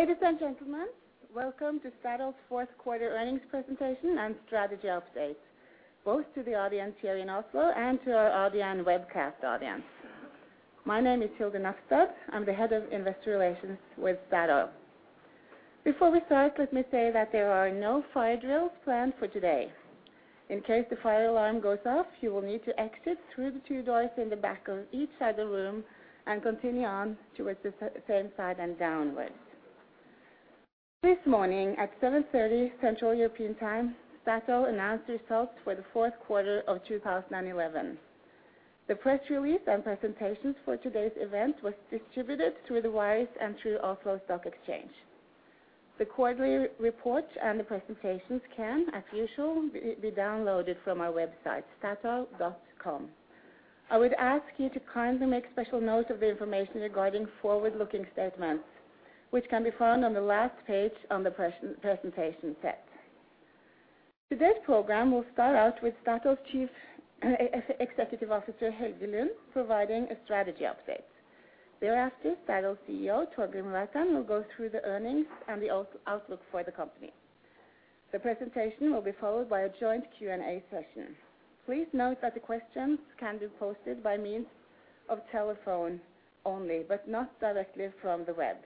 Ladies and gentlemen, welcome to Statoil's fourth quarter earnings presentation and strategy update, both to the audience here in Oslo and to our audio and webcast audience. My name is Hilde Nafstad. I'm the head of investor relations with Statoil. Before we start, let me say that there are no fire drills planned for today. In case the fire alarm goes off, you will need to exit through the two doors in the back of each side of the room and continue on towards the same side and downwards. This morning, at 7:30 A.M. Central European Time, Statoil announced results for the fourth quarter of 2011. The press release and presentations for today's event was distributed through the wires and through Oslo Stock Exchange. The quarterly report and the presentations can, as usual, be downloaded from our website, statoil.com. I would ask you to kindly make special note of the information regarding forward-looking statements, which can be found on the last page of the presentation set. Today's program will start out with Statoil's Chief Executive Officer, Helge Lund, providing a strategy update. Thereafter, Statoil's CEO, Torgrim Reitan, will go through the earnings and the outlook for the company. The presentation will be followed by a joint Q&A session. Please note that the questions can be posted by means of telephone only, but not directly from the web.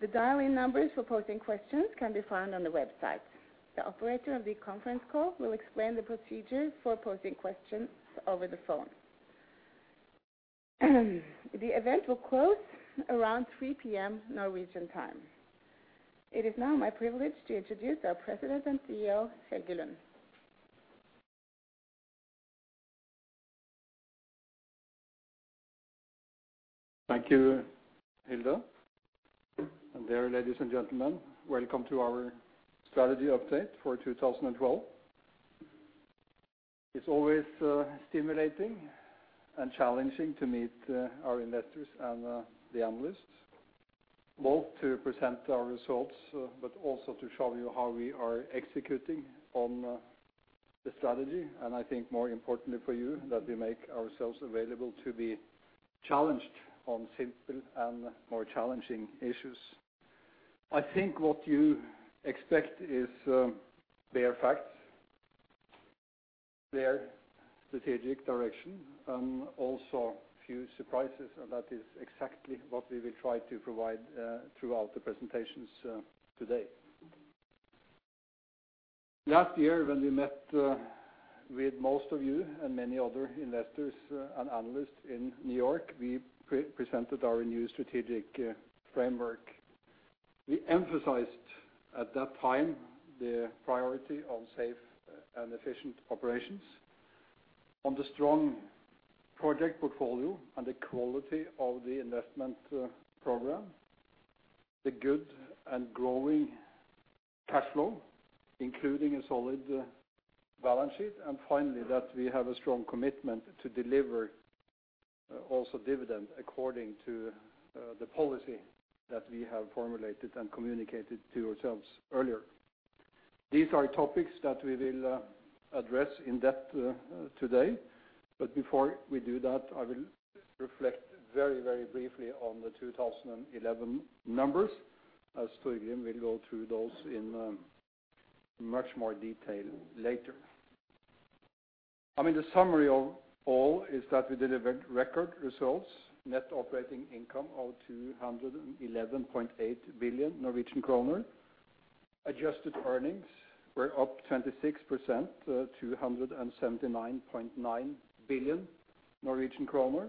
The dial-in numbers for posting questions can be found on the website. The operator of the conference call will explain the procedure for posting questions over the phone. The event will close around 3 P.M. Norwegian time. It is now my privilege to introduce our President and CEO, Helge Lund. Thank you, Hilde. Dear ladies and gentlemen, welcome to our strategy update for 2012. It's always stimulating and challenging to meet our investors and the analysts, both to present our results, but also to show you how we are executing on the strategy. I think more importantly for you, that we make ourselves available to be challenged on simple and more challenging issues. I think what you expect is bare facts, bare strategic direction, and also a few surprises, and that is exactly what we will try to provide throughout the presentations today. Last year, when we met with most of you and many other investors and analysts in New York, we presented our new strategic framework. We emphasized at that time the priority on safe and efficient operations, on the strong project portfolio and the quality of the investment program, the good and growing cash flow, including a solid balance sheet, and finally, that we have a strong commitment to deliver also dividend according to the policy that we have formulated and communicated to ourselves earlier. These are topics that we will address in depth today. Before we do that, I will reflect very, very briefly on the 2011 numbers, as Torgrim will go through those in much more detail later. I mean, the summary of all is that we delivered record results, net operating income of 211.8 billion Norwegian kroner. Adjusted earnings were up 26% to 179.9 billion Norwegian kroner.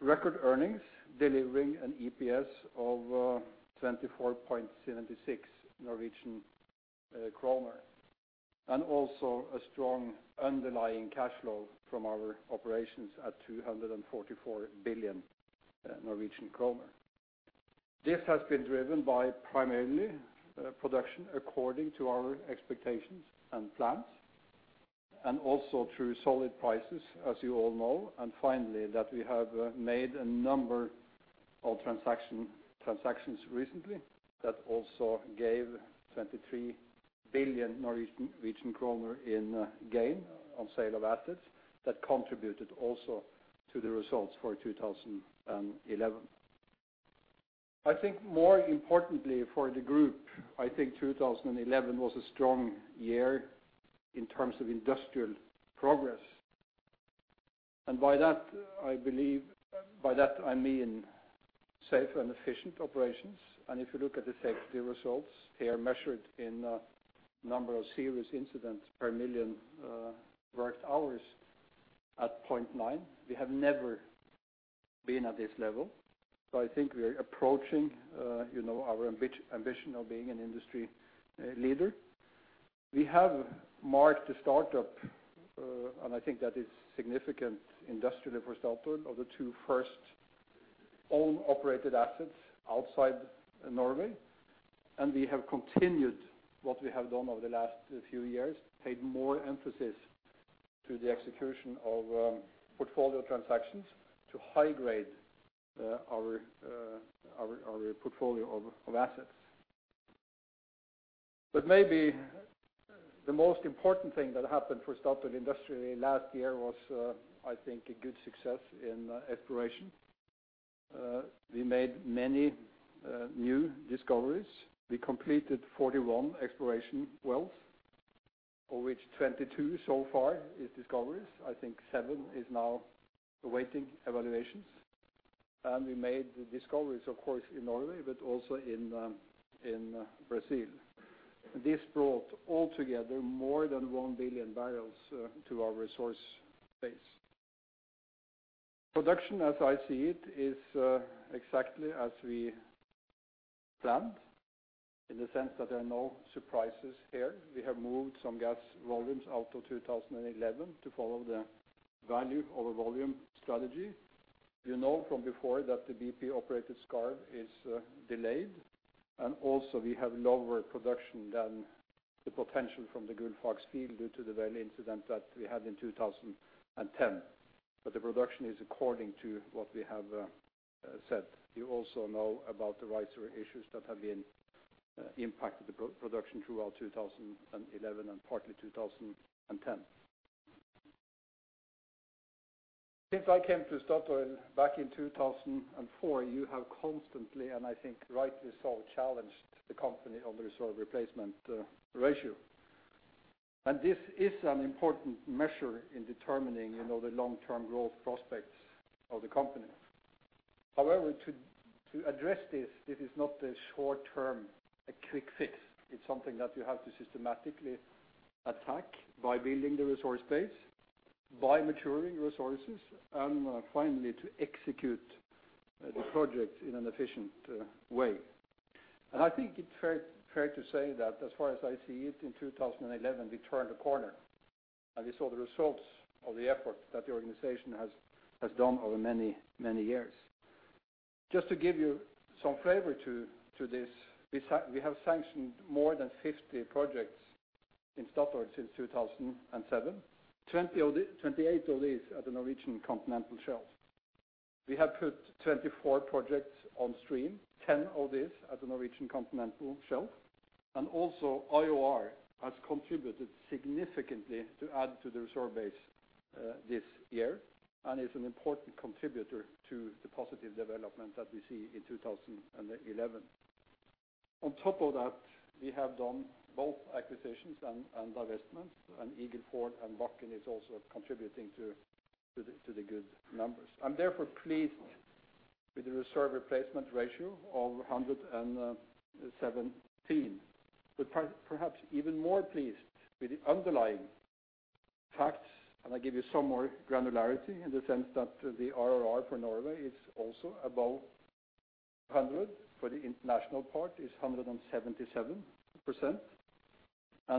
Record earnings delivering an EPS of 24.76 Norwegian kroner. A strong underlying cash flow from our operations at 244 billion Norwegian kroner. This has been driven by primarily production according to our expectations and plans, and also through solid prices, as you all know. That we have made a number of transactions recently that also gave 23 billion Norwegian kroner in gain on sale of assets that contributed also to the results for 2011. I think more importantly for the group, 2011 was a strong year in terms of industrial progress. By that, I believe, I mean safe and efficient operations. If you look at the safety results, they are measured in number of serious incidents per million worked hours at 0.9. We have never been at this level. I think we are approaching, you know, our ambition of being an industry leader. We have marked the startup, and I think that is significant industrially for Statoil, of the two first own operated assets outside Norway. We have continued what we have done over the last few years, paid more emphasis to the execution of portfolio transactions to high grade our portfolio of assets. Maybe the most important thing that happened for Statoil industry last year was, I think a good success in exploration. We made many new discoveries. We completed 41 exploration wells, of which 22 so far is discoveries. I think seven is now awaiting evaluations. We made the discoveries of course, in Norway, but also in Brazil. This brought altogether more than 1 billion barrels to our resource base. Production, as I see it, is exactly as we planned in the sense that there are no surprises here. We have moved some gas volumes out to 2011 to follow the value over volume strategy. You know from before that the BP-operated Skarv is delayed. We also have lower production than the potential from the Gullfaks field due to the well incident that we had in 2010. The production is according to what we have said. You also know about the riser issues that have been impacted the production throughout 2011 and partly 2010. Since I came to Statoil back in 2004, you have constantly, and I think rightly so, challenged the company on the reserve replacement ratio. This is an important measure in determining, you know, the long-term growth prospects of the company. However, to address this is not a short-term, a quick fix. It's something that you have to systematically attack by building the resource base, by maturing resources, and finally, to execute the project in an efficient way. I think it's fair to say that as far as I see it, in 2011, we turned a corner. We saw the results of the effort that the organization has done over many years. Just to give you some flavor to this, we have sanctioned more than 50 projects in Statoil since 2007. 28 of these at the Norwegian Continental Shelf. We have put 24 projects on stream, 10 of these at the Norwegian Continental Shelf. IOR has contributed significantly to add to the reserve base this year, and is an important contributor to the positive development that we see in 2011. On top of that, we have done both acquisitions and divestments, and Eagle Ford and Bakken is also contributing to the good numbers. I'm therefore pleased with the reserve replacement ratio of 117. Perhaps even more pleased with the underlying facts, I give you some more granularity in the sense that the RRR for Norway is also above 100. For the international part, it's 177%.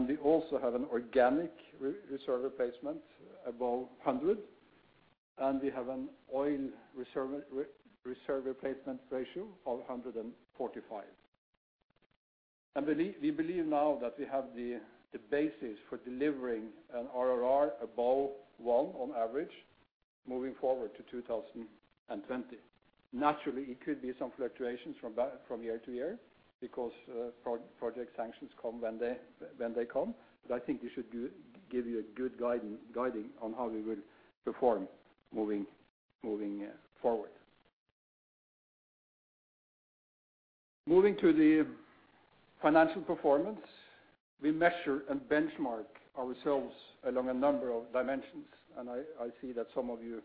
We also have an organic reserve replacement above 100. We have an oil reserve replacement ratio of 145. We believe now that we have the basis for delivering an RRR above 1 on average moving forward to 2020. Naturally, it could be some fluctuations from year to year because project sanctions come when they come. I think this should give you a good guidance on how we will perform moving forward. Moving to the financial performance, we measure and benchmark ourselves along a number of dimensions. I see that some of you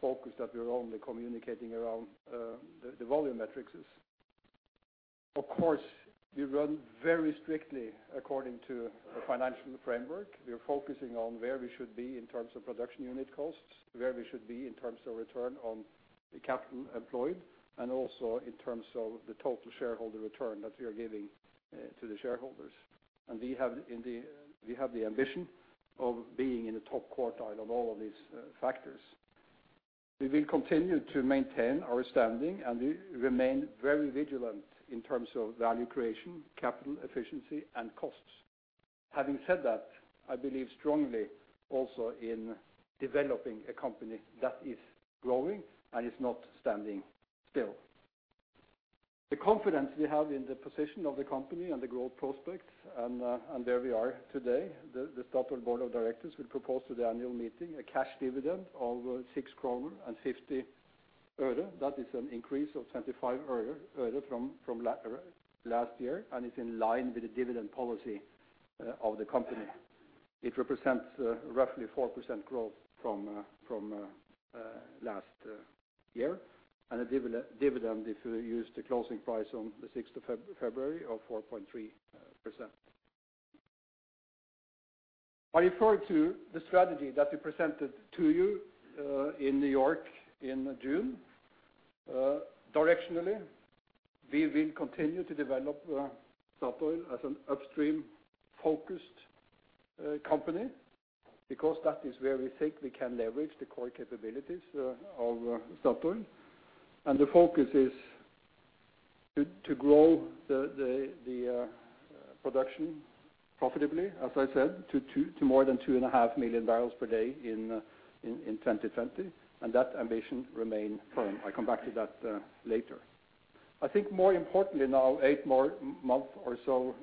focus that we are only communicating around the volume metrics. Of course, we run very strictly according to the financial framework. We are focusing on where we should be in terms of production unit costs, where we should be in terms of return on the capital employed, and also in terms of the total shareholder return that we are giving to the shareholders. We have the ambition of being in the top quartile of all of these factors. We will continue to maintain our standing, and we remain very vigilant in terms of value creation, capital efficiency, and costs. Having said that, I believe strongly also in developing a company that is growing and is not standing still. The confidence we have in the position of the company and the growth prospects, and where we are today, the Statoil board of directors will propose to the annual meeting a cash dividend of NOK 6.50. That is an increase of 25 øre from last year, and is in line with the dividend policy of the company. It represents roughly 4% growth from last year, and a dividend, if you use the closing price on the sixth of February, of 4.3%. I refer to the strategy that we presented to you in New York in June. Directionally, we will continue to develop Statoil as an upstream-focused company because that is where we think we can leverage the core capabilities of Statoil. The focus is to grow the production profitably, as I said, to more than 2.5 million barrels per day in 2020. That ambition remain firm. I come back to that later. I think more importantly now, eight more months or so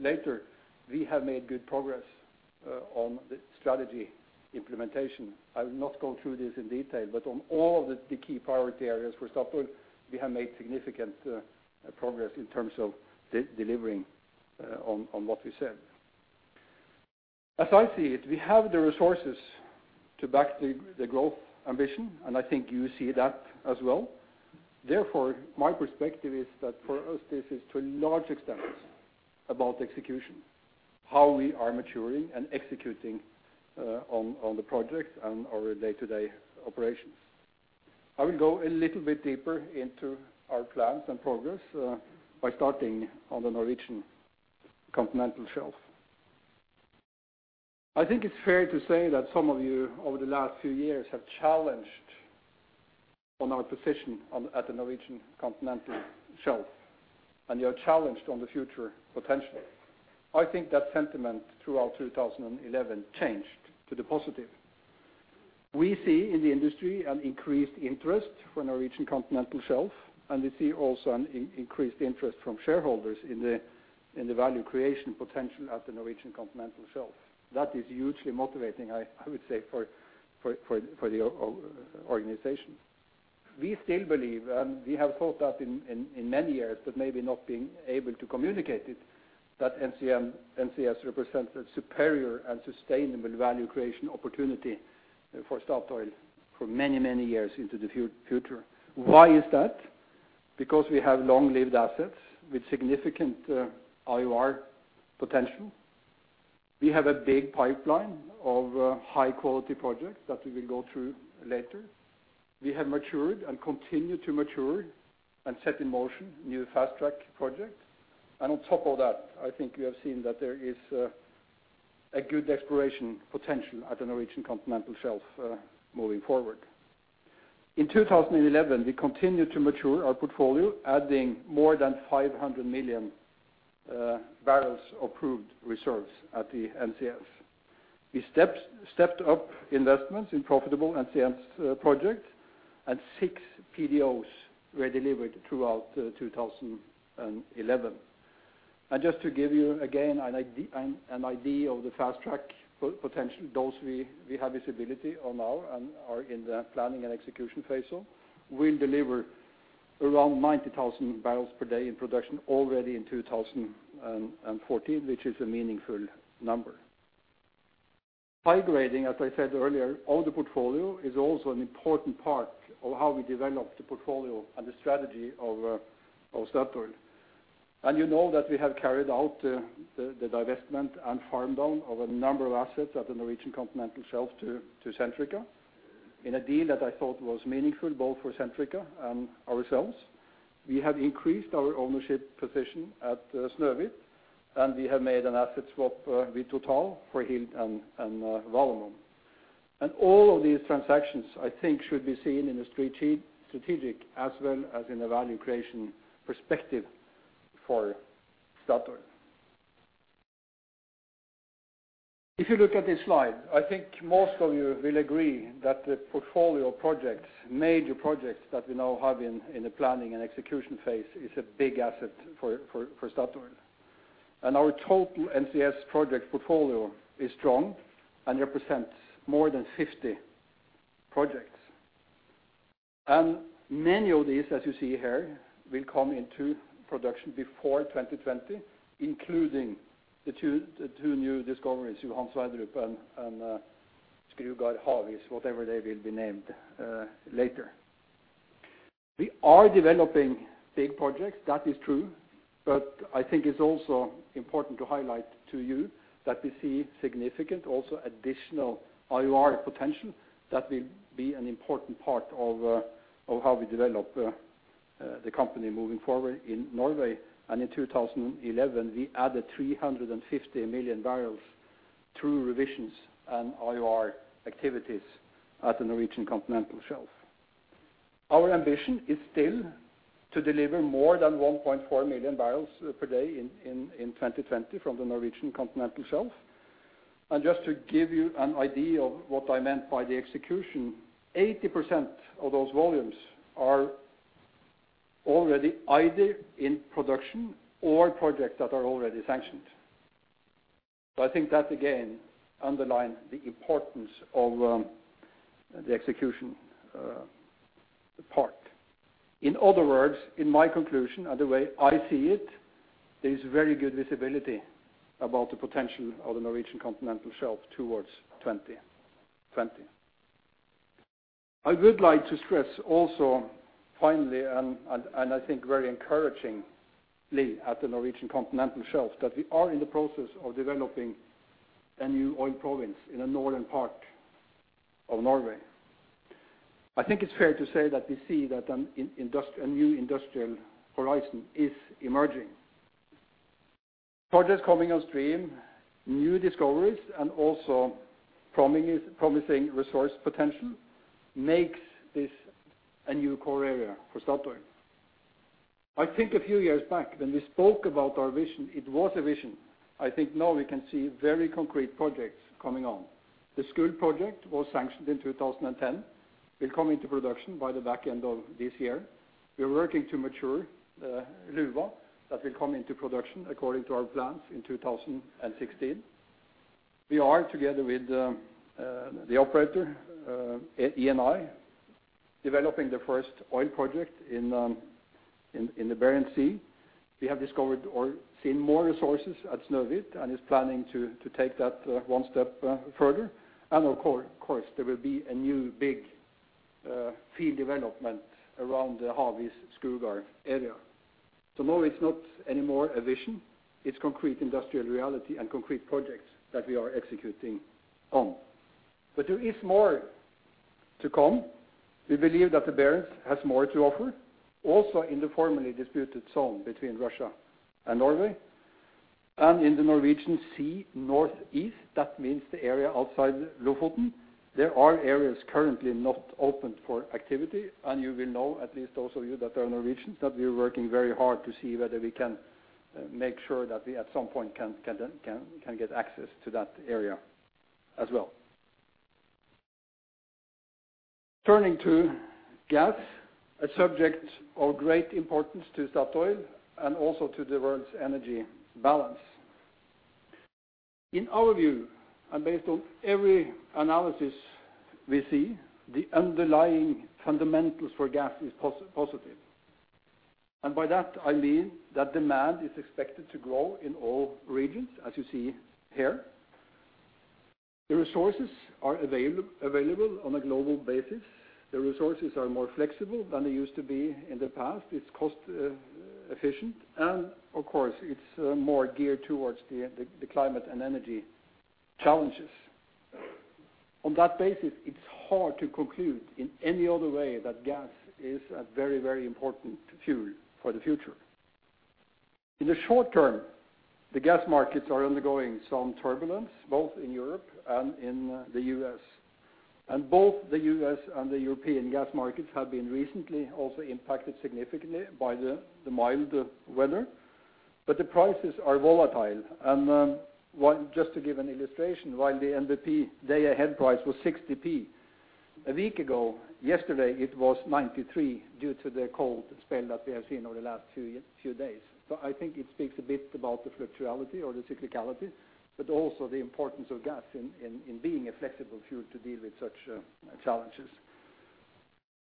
later, we have made good progress on the strategy implementation. I will not go through this in detail, but on all the key priority areas, for example, we have made significant progress in terms of delivering on what we said. As I see it, we have the resources to back the growth ambition, and I think you see that as well. Therefore, my perspective is that for us this is to a large extent about execution. How we are maturing and executing on the projects and our day-to-day operations. I will go a little bit deeper into our plans and progress by starting on the Norwegian Continental Shelf. I think it's fair to say that some of you over the last few years have challenged on our position on the Norwegian Continental Shelf, and you have challenged on the future potential. I think that sentiment throughout 2011 changed to the positive. We see in the industry an increased interest for Norwegian Continental Shelf, and we see also an increased interest from shareholders in the value creation potential at the Norwegian Continental Shelf. That is hugely motivating, I would say, for the organization. We still believe, and we have thought that in many years, but maybe not being able to communicate it, that NCS represents a superior and sustainable value creation opportunity, for Statoil for many, many years into the future. Why is that? Because we have long-lived assets with significant IOR potential. We have a big pipeline of high-quality projects that we will go through later. We have matured and continue to mature and set in motion new fast-track projects. On top of that, I think you have seen that there is a good exploration potential at the Norwegian Continental Shelf, moving forward. In 2011, we continued to mature our portfolio, adding more than 500 million barrels of proved reserves at the NCS. We stepped up investments in profitable NCS projects, and six PDOs were delivered throughout 2011. Just to give you again an idea of the fast-track potential, those we have visibility on now and are in the planning and execution phase of will deliver around 90,000 barrels per day in production already in 2014, which is a meaningful number. Prioritizing, as I said earlier, of the portfolio is also an important part of how we develop the portfolio and the strategy of Statoil. You know that we have carried out the divestment and farm down of a number of assets at the Norwegian Continental Shelf to Centrica. In a deal that I thought was meaningful both for Centrica and ourselves, we have increased our ownership position at Snøhvit, and we have made an asset swap with Total for Hilde and Valemon. All of these transactions, I think, should be seen in a strategic as well as in a value creation perspective for Statoil. If you look at this slide, I think most of you will agree that the portfolio projects, major projects that we now have in the planning and execution phase is a big asset for Statoil. Our total NCS project portfolio is strong and represents more than 50 projects. Many of these, as you see here, will come into production before 2020, including the two new discoveries, Johan Sverdrup and Skrugard-Havis, whatever they will be named later. We are developing big projects. That is true. I think it's also important to highlight to you that we see significant also additional IOR potential that will be an important part of of how we develop the company moving forward in Norway. In 2011, we added 350 million barrels through revisions and IOR activities at the Norwegian Continental Shelf. Our ambition is still to deliver more than 1.4 million barrels per day in 2020 from the Norwegian Continental Shelf. Just to give you an idea of what I meant by the execution, 80% of those volumes are already either in production or projects that are already sanctioned. I think that, again, underline the importance of the execution part. In other words, in my conclusion and the way I see it, there is very good visibility about the potential of the Norwegian Continental Shelf towards 2020. I would like to stress also, finally, and I think very encouragingly at the Norwegian Continental Shelf, that we are in the process of developing a new oil province in the northern part of Norway. I think it's fair to say that we see that a new industrial horizon is emerging. Projects coming on stream, new discoveries, and also promising resource potential makes this a new core area for Statoil. I think a few years back when we spoke about our vision, it was a vision. I think now we can see very concrete projects coming on. The Skuld project was sanctioned in 2010, will come into production by the back end of this year. We are working to mature Luva that will come into production according to our plans in 2016. We are together with the operator Eni developing the first oil project in the Barents Sea. We have discovered or seen more resources at Snøhvit and is planning to take that one step further. Of course, there will be a new big field development around the Havis/Skrugard area. No, it's not any more a vision. It's concrete industrial reality and concrete projects that we are executing on. There is more to come. We believe that the Barents has more to offer, also in the formerly disputed zone between Russia and Norway, and in the Norwegian Sea northeast, that means the area outside Lofoten. There are areas currently not open for activity, and you will know at least those of you that are Norwegians, that we are working very hard to see whether we can make sure that we at some point can get access to that area as well. Turning to gas, a subject of great importance to Statoil and also to the world's energy balance. In our view, and based on every analysis we see, the underlying fundamentals for gas is positive. By that, I mean that demand is expected to grow in all regions, as you see here. The resources are available on a global basis. The resources are more flexible than they used to be in the past. It's cost efficient. Of course, it's more geared towards the climate and energy challenges. On that basis, it's hard to conclude in any other way that gas is a very, very important fuel for the future. In the short term, the gas markets are undergoing some turbulence, both in Europe and in the U.S. Both the U.S. and the European gas markets have been recently also impacted significantly by the milder weather, but the prices are volatile. Just to give an illustration, while the NBP day-ahead price was 60p a week ago, yesterday it was 93p due to the cold spell that we have seen over the last few days. I think it speaks a bit about the volatility or the cyclicality, but also the importance of gas in being a flexible fuel to deal with such challenges.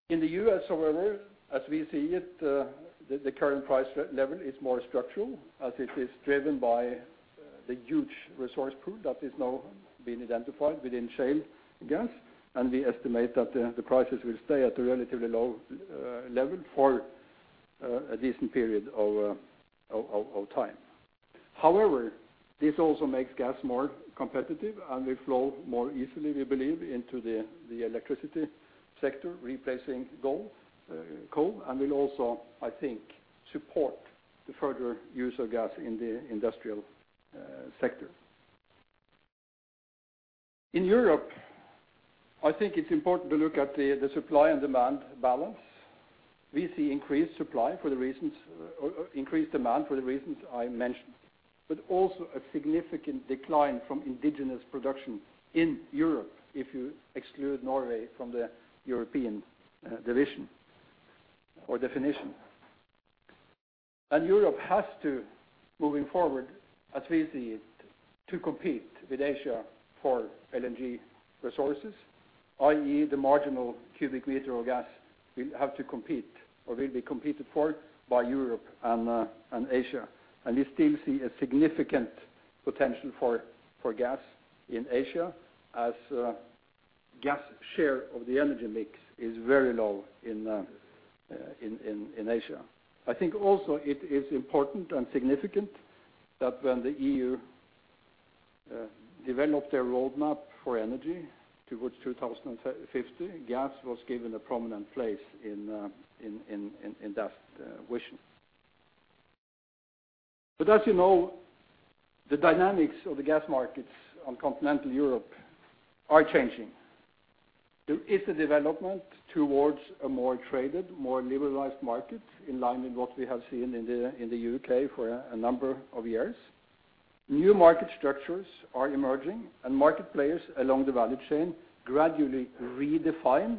In the U.S., however, as we see it, the current price level is more structural as it is driven by the huge resource pool that is now being identified within shale gas. We estimate that the prices will stay at a relatively low level for a decent period of time. However, this also makes gas more competitive, and will flow more easily, we believe, into the electricity sector, replacing coal, and will also, I think, support the further use of gas in the industrial sector. In Europe, I think it's important to look at the supply and demand balance. We see increased supply for the reasons, or increased demand for the reasons I mentioned, but also a significant decline from indigenous production in Europe if you exclude Norway from the European division or definition. Europe has to, moving forward, as we see it, compete with Asia for LNG resources, i.e. the marginal cubic meter of gas will have to compete or will be competed for by Europe and Asia. We still see a significant potential for gas in Asia as gas share of the energy mix is very low in Asia. I think also it is important and significant that when the EU developed their roadmap for energy towards 2050, gas was given a prominent place in that vision. As you know, the dynamics of the gas markets on continental Europe are changing. There is a development towards a more traded, more liberalized market in line with what we have seen in the UK for a number of years. New market structures are emerging, and market players along the value chain gradually redefine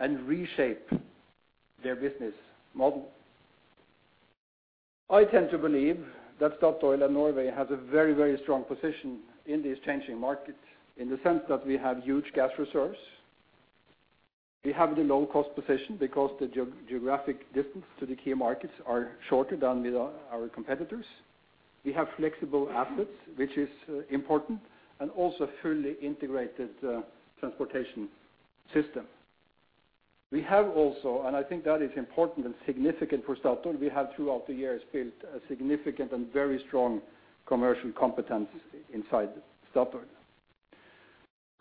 and reshape their business model. I tend to believe that Statoil and Norway has a very, very strong position in this changing market in the sense that we have huge gas reserves. We have the low-cost position because the geographic distance to the key markets are shorter than with our competitors. We have flexible assets, which is important, and also fully integrated transportation system. We have also. I think that is important and significant for Statoil. We have throughout the years built a significant and very strong commercial competence inside Statoil.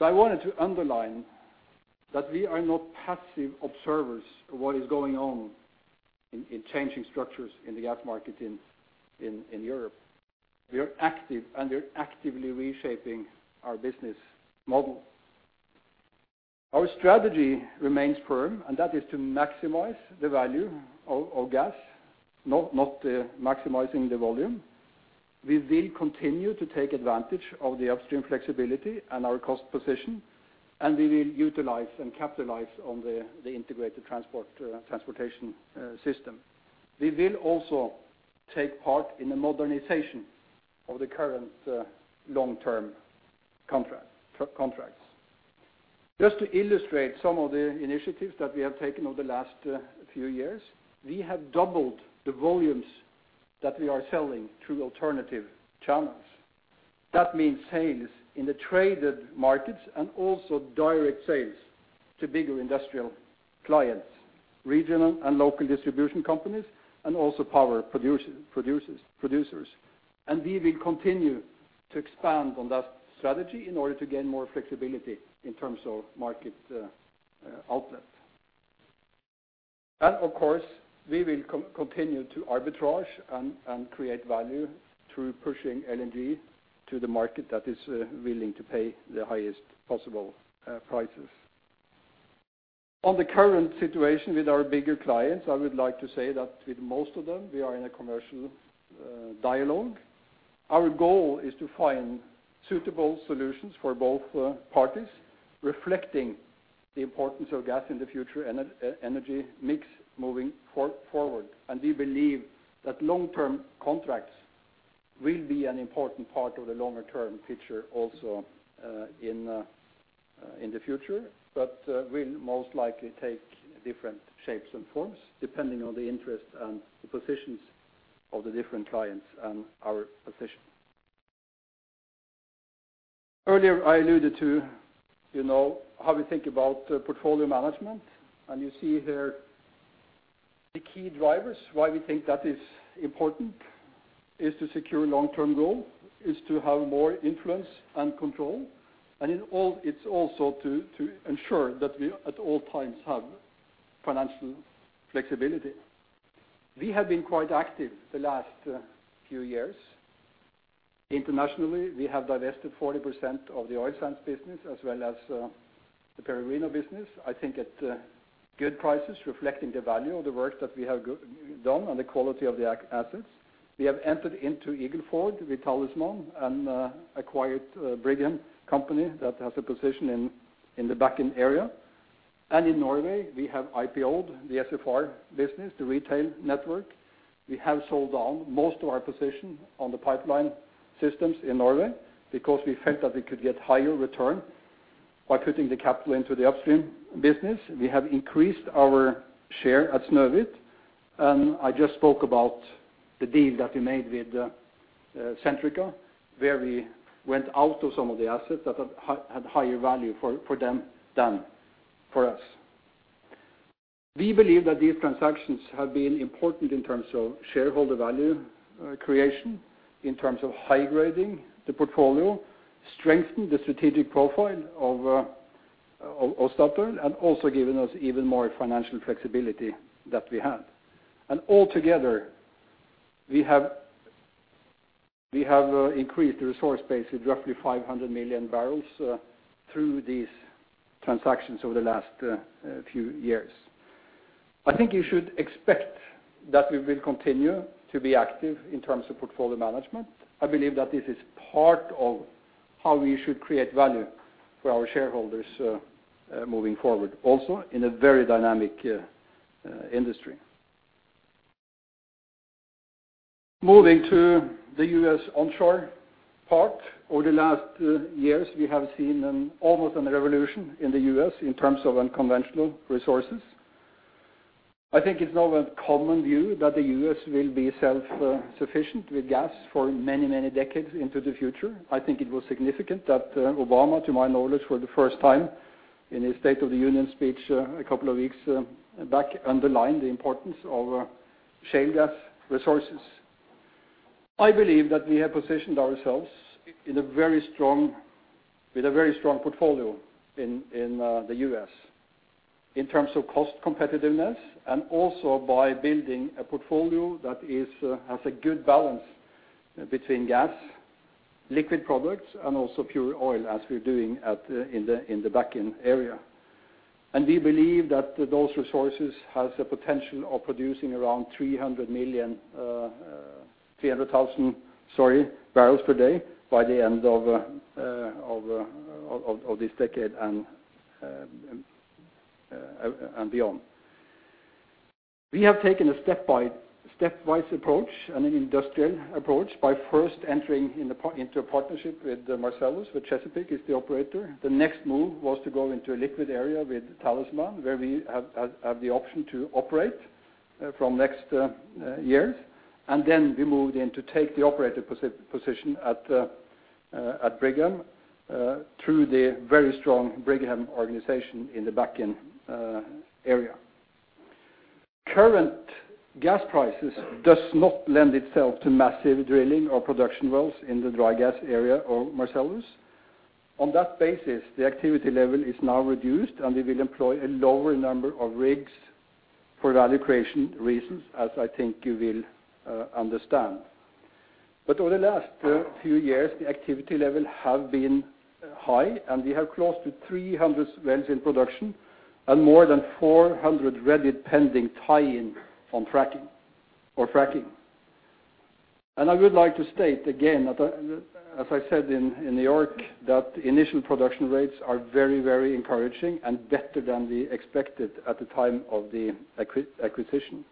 I wanted to underline that we are not passive observers of what is going on in changing structures in the gas market in Europe. We are active, and we're actively reshaping our business model. Our strategy remains firm, and that is to maximize the value of gas, not maximizing the volume. We will continue to take advantage of the upstream flexibility and our cost position, and we will utilize and capitalize on the integrated transportation system. We will also take part in the modernization of the current long-term contracts. Just to illustrate some of the initiatives that we have taken over the last few years, we have doubled the volumes that we are selling through alternative channels. That means sales in the traded markets and also direct sales to bigger industrial clients, regional and local distribution companies, and also power producers. We will continue to expand on that strategy in order to gain more flexibility in terms of market outlet. Of course, we will continue to arbitrage and create value through pushing LNG to the market that is willing to pay the highest possible prices. On the current situation with our bigger clients, I would like to say that with most of them, we are in a commercial dialogue. Our goal is to find suitable solutions for both parties reflecting the importance of gas in the future energy mix moving forward. We believe that long-term contracts will be an important part of the longer-term picture also in the future. Will most likely take different shapes and forms depending on the interests and the positions of the different clients and our position. Earlier, I alluded to, you know, how we think about portfolio management. You see here the key drivers why we think that is important is to secure long-term goal, is to have more influence and control. It's also to ensure that we at all times have financial flexibility. We have been quite active the last few years. Internationally, we have divested 40% of the Oil Sands business as well as the Peregrino business. I think at good prices reflecting the value of the work that we have done and the quality of the assets. We have entered into Eagle Ford with Talisman and acquired Brigham Exploration Company that has a position in the Bakken area. In Norway, we have IPO-ed the SFR business, the retail network. We have sold off most of our position on the pipeline systems in Norway because we felt that we could get higher return by putting the capital into the upstream business. We have increased our share at Snøhvit. I just spoke about the deal that we made with Centrica, where we went out of some of the assets that had higher value for them than for us. We believe that these transactions have been important in terms of shareholder value creation, in terms of high-grading the portfolio, strengthen the strategic profile of Statoil, and also given us even more financial flexibility that we have. Altogether, we have increased the resource base with roughly 500 million barrels through these transactions over the last few years. I think you should expect that we will continue to be active in terms of portfolio management. I believe that this is part of how we should create value for our shareholders moving forward, also in a very dynamic industry. Moving to the U.S. onshore part. Over the last years, we have seen an almost a revolution in the U.S. in terms of unconventional resources. I think it's now a common view that the U.S. will be self-sufficient with gas for many, many decades into the future. I think it was significant that Obama, to my knowledge, for the first time in his State of the Union speech a couple of weeks back underlined the importance of shale gas resources. I believe that we have positioned ourselves in a very strong, with a very strong portfolio in the U.S. in terms of cost competitiveness and also by building a portfolio that has a good balance between gas, liquid products and also pure oil as we're doing in the Bakken area. We believe that those resources has the potential of producing around 300,000 barrels per day by the end of this decade and beyond. We have taken a stepwise approach and an industrial approach by first entering into a partnership with Marcellus, with Chesapeake as the operator. The next move was to go into a liquid area with Talisman, where we have the option to operate from next years. We moved in to take the operator position at Brigham through the very strong Brigham organization in the Bakken area. Current gas prices does not lend itself to massive drilling or production wells in the dry gas area of Marcellus. On that basis, the activity level is now reduced, and we will employ a lower number of rigs for value creation reasons as I think you will understand. Over the last few years, the activity level have been high, and we have close to 300 wells in production and more than 400 ready-pending tie-in on fracking. I would like to state again that, as I said in New York, that the initial production rates are very, very encouraging and better than we expected at the time of the acquisition.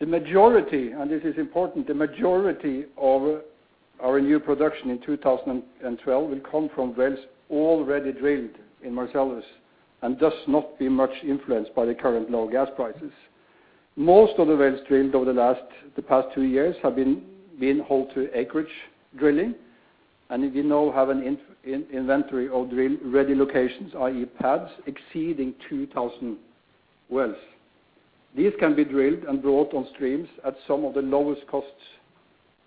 The majority, and this is important, the majority of our new production in 2012 will come from wells already drilled in Marcellus and does not be much influenced by the current low gas prices. Most of the wells drilled over the past two years have been held to acreage drilling. We now have an inventory of drill-ready locations, i.e., pads, exceeding 2,000 wells. These can be drilled and brought on streams at some of the lowest costs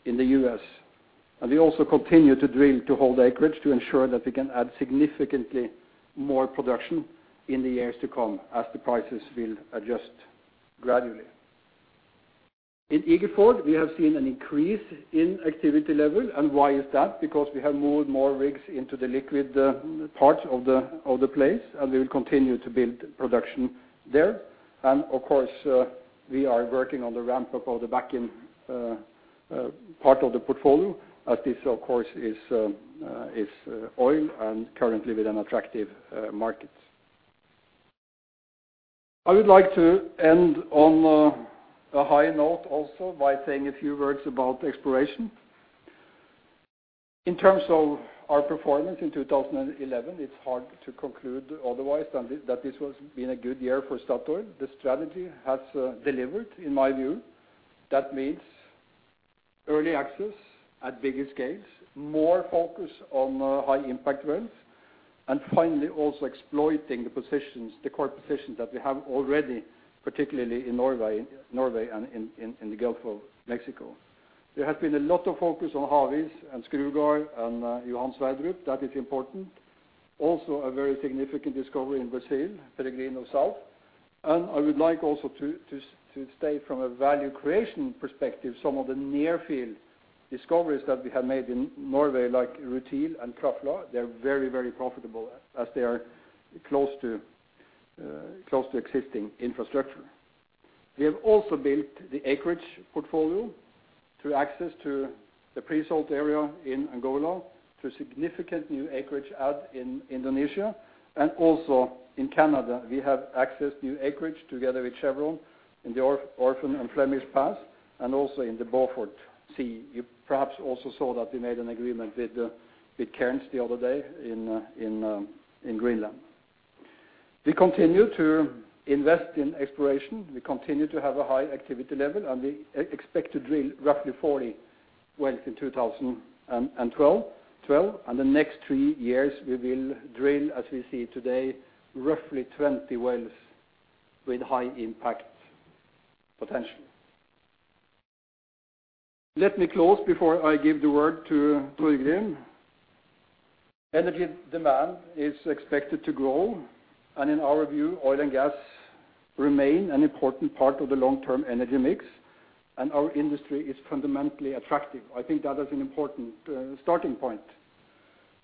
in the U.S. We also continue to drill to hold acreage to ensure that we can add significantly more production in the years to come as the prices will adjust gradually. In Ekofisk, we have seen an increase in activity level, and why is that? Because we have moved more rigs into the liquid parts of the place, and we will continue to build production there. Of course, we are working on the ramp-up of the back-end part of the portfolio as this of course is oil and currently with an attractive market. I would like to end on a high note also by saying a few words about exploration. In terms of our performance in 2011, it's hard to conclude otherwise than that this has been a good year for Statoil. The strategy has delivered, in my view. That means early access at bigger scales, more focus on high-impact wells, and finally, also exploiting the positions, the core positions that we have already, particularly in Norway and in the Gulf of Mexico. There has been a lot of focus on Havis and Skrugard and Johan Sverdrup. That is important. A very significant discovery in Brazil, Peregrino Sul. I would like also to state from a value creation perspective some of the near-field discoveries that we have made in Norway like Rutil and Krafla. They are very, very profitable as they are close to existing infrastructure. We have also built the acreage portfolio through access to the pre-salt area in Angola, to significant new acreage add in Indonesia. In Canada, we have accessed new acreage together with Chevron in the Orphan and Flemish Pass and also in the Beaufort Sea. You perhaps also saw that we made an agreement with Cairn the other day in Greenland. We continue to invest in exploration. We continue to have a high activity level, and we expect to drill roughly 40 wells in 2012. The next three years, we will drill, as we see today, roughly 20 wells with high impact potential. Let me close before I give the word to Torgrim Reitan. Energy demand is expected to grow, and in our view, oil and gas remain an important part of the long-term energy mix, and our industry is fundamentally attractive. I think that is an important starting point.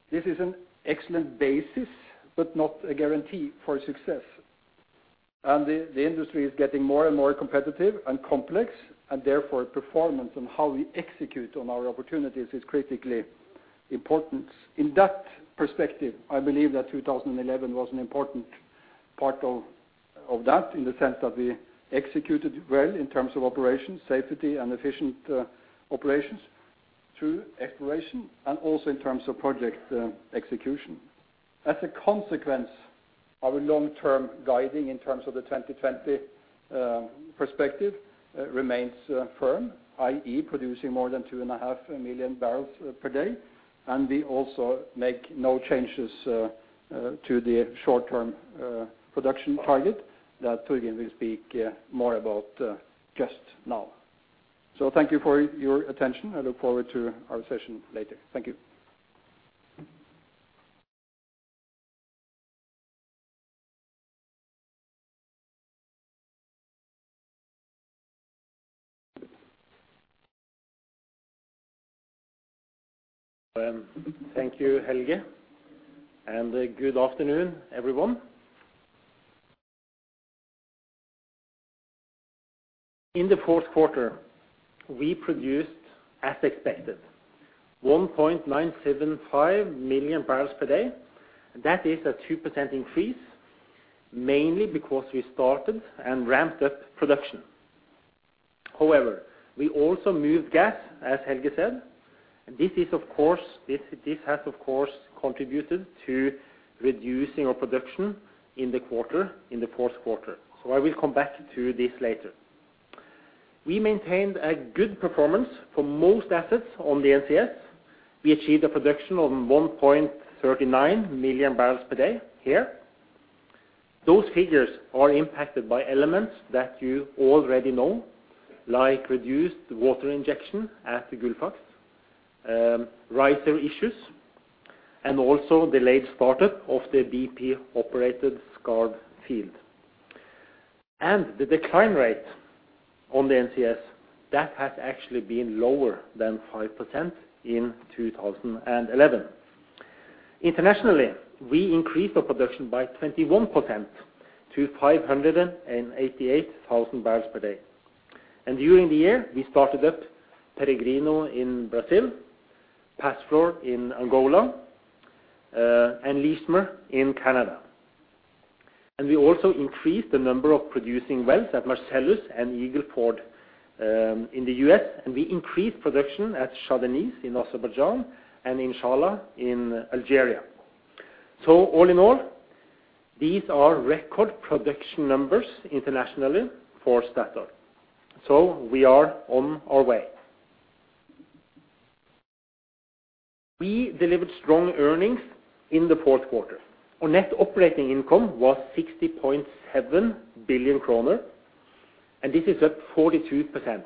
This is an excellent basis, but not a guarantee for success. The industry is getting more and more competitive and complex, and therefore, performance and how we execute on our opportunities is critically important. In that perspective, I believe that 2011 was an important part of that in the sense that we executed well in terms of operations, safety and efficient operations through exploration and also in terms of project execution. As a consequence, our long-term guiding in terms of the 2020 perspective remains firm, i.e., producing more than 2.5 million barrels per day. We also make no changes to the short-term production target that Torgrim Reitan will speak more about just now. Thank you for your attention. I look forward to our session later. Thank you. Thank you, Helge, and good afternoon, everyone. In the fourth quarter, we produced, as expected, 1.975 million barrels per day. That is a 2% increase, mainly because we started and ramped up production. However, we also moved gas, as Helge said. This has of course contributed to reducing our production in the quarter, in the fourth quarter. I will come back to this later. We maintained a good performance for most assets on the NCS. We achieved a production of 1.39 million barrels per day here. Those figures are impacted by elements that you already know, like reduced water injection at the Gullfaks, riser issues, and also delayed startup of the BP-operated Skarv field. The decline rate on the NCS, that has actually been lower than 5% in 2011. Internationally, we increased our production by 21% to 588,000 barrels per day. During the year, we started up Peregrino in Brazil, Pazflor in Angola, and Leismer in Canada. We also increased the number of producing wells at Marcellus and Eagle Ford in the US, and we increased production at Shah Deniz in Azerbaijan and In Salah in Algeria. All in all, these are record production numbers internationally for Statoil. We are on our way. We delivered strong earnings in the fourth quarter. Our net operating income was 60.7 billion kroner, and this is up 42%.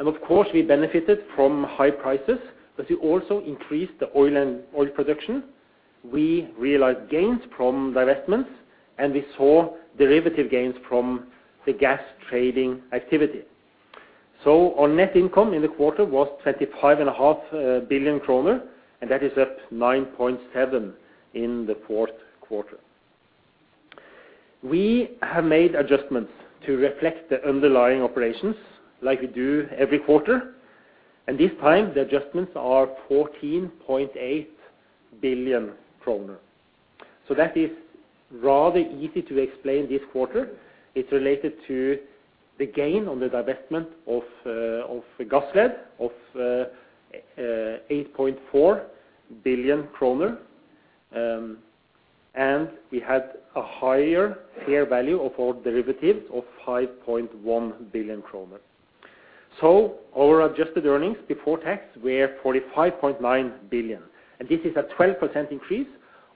Of course, we benefited from high prices, but we also increased the oil production. We realized gains from divestments, and we saw derivative gains from the gas trading activity. Our net income in the quarter was 25.5 billion kroner, and that is up 9.7% in the fourth quarter. We have made adjustments to reflect the underlying operations like we do every quarter, and this time, the adjustments are 14.8 billion kroner. That is rather easy to explain this quarter. It's related to the gain on the divestment of Gassled of 8.4 billion kroner, and we had a higher fair value of our derivatives of 5.1 billion kroner. Our adjusted earnings before tax were 45.9 billion, and this is a 12% increase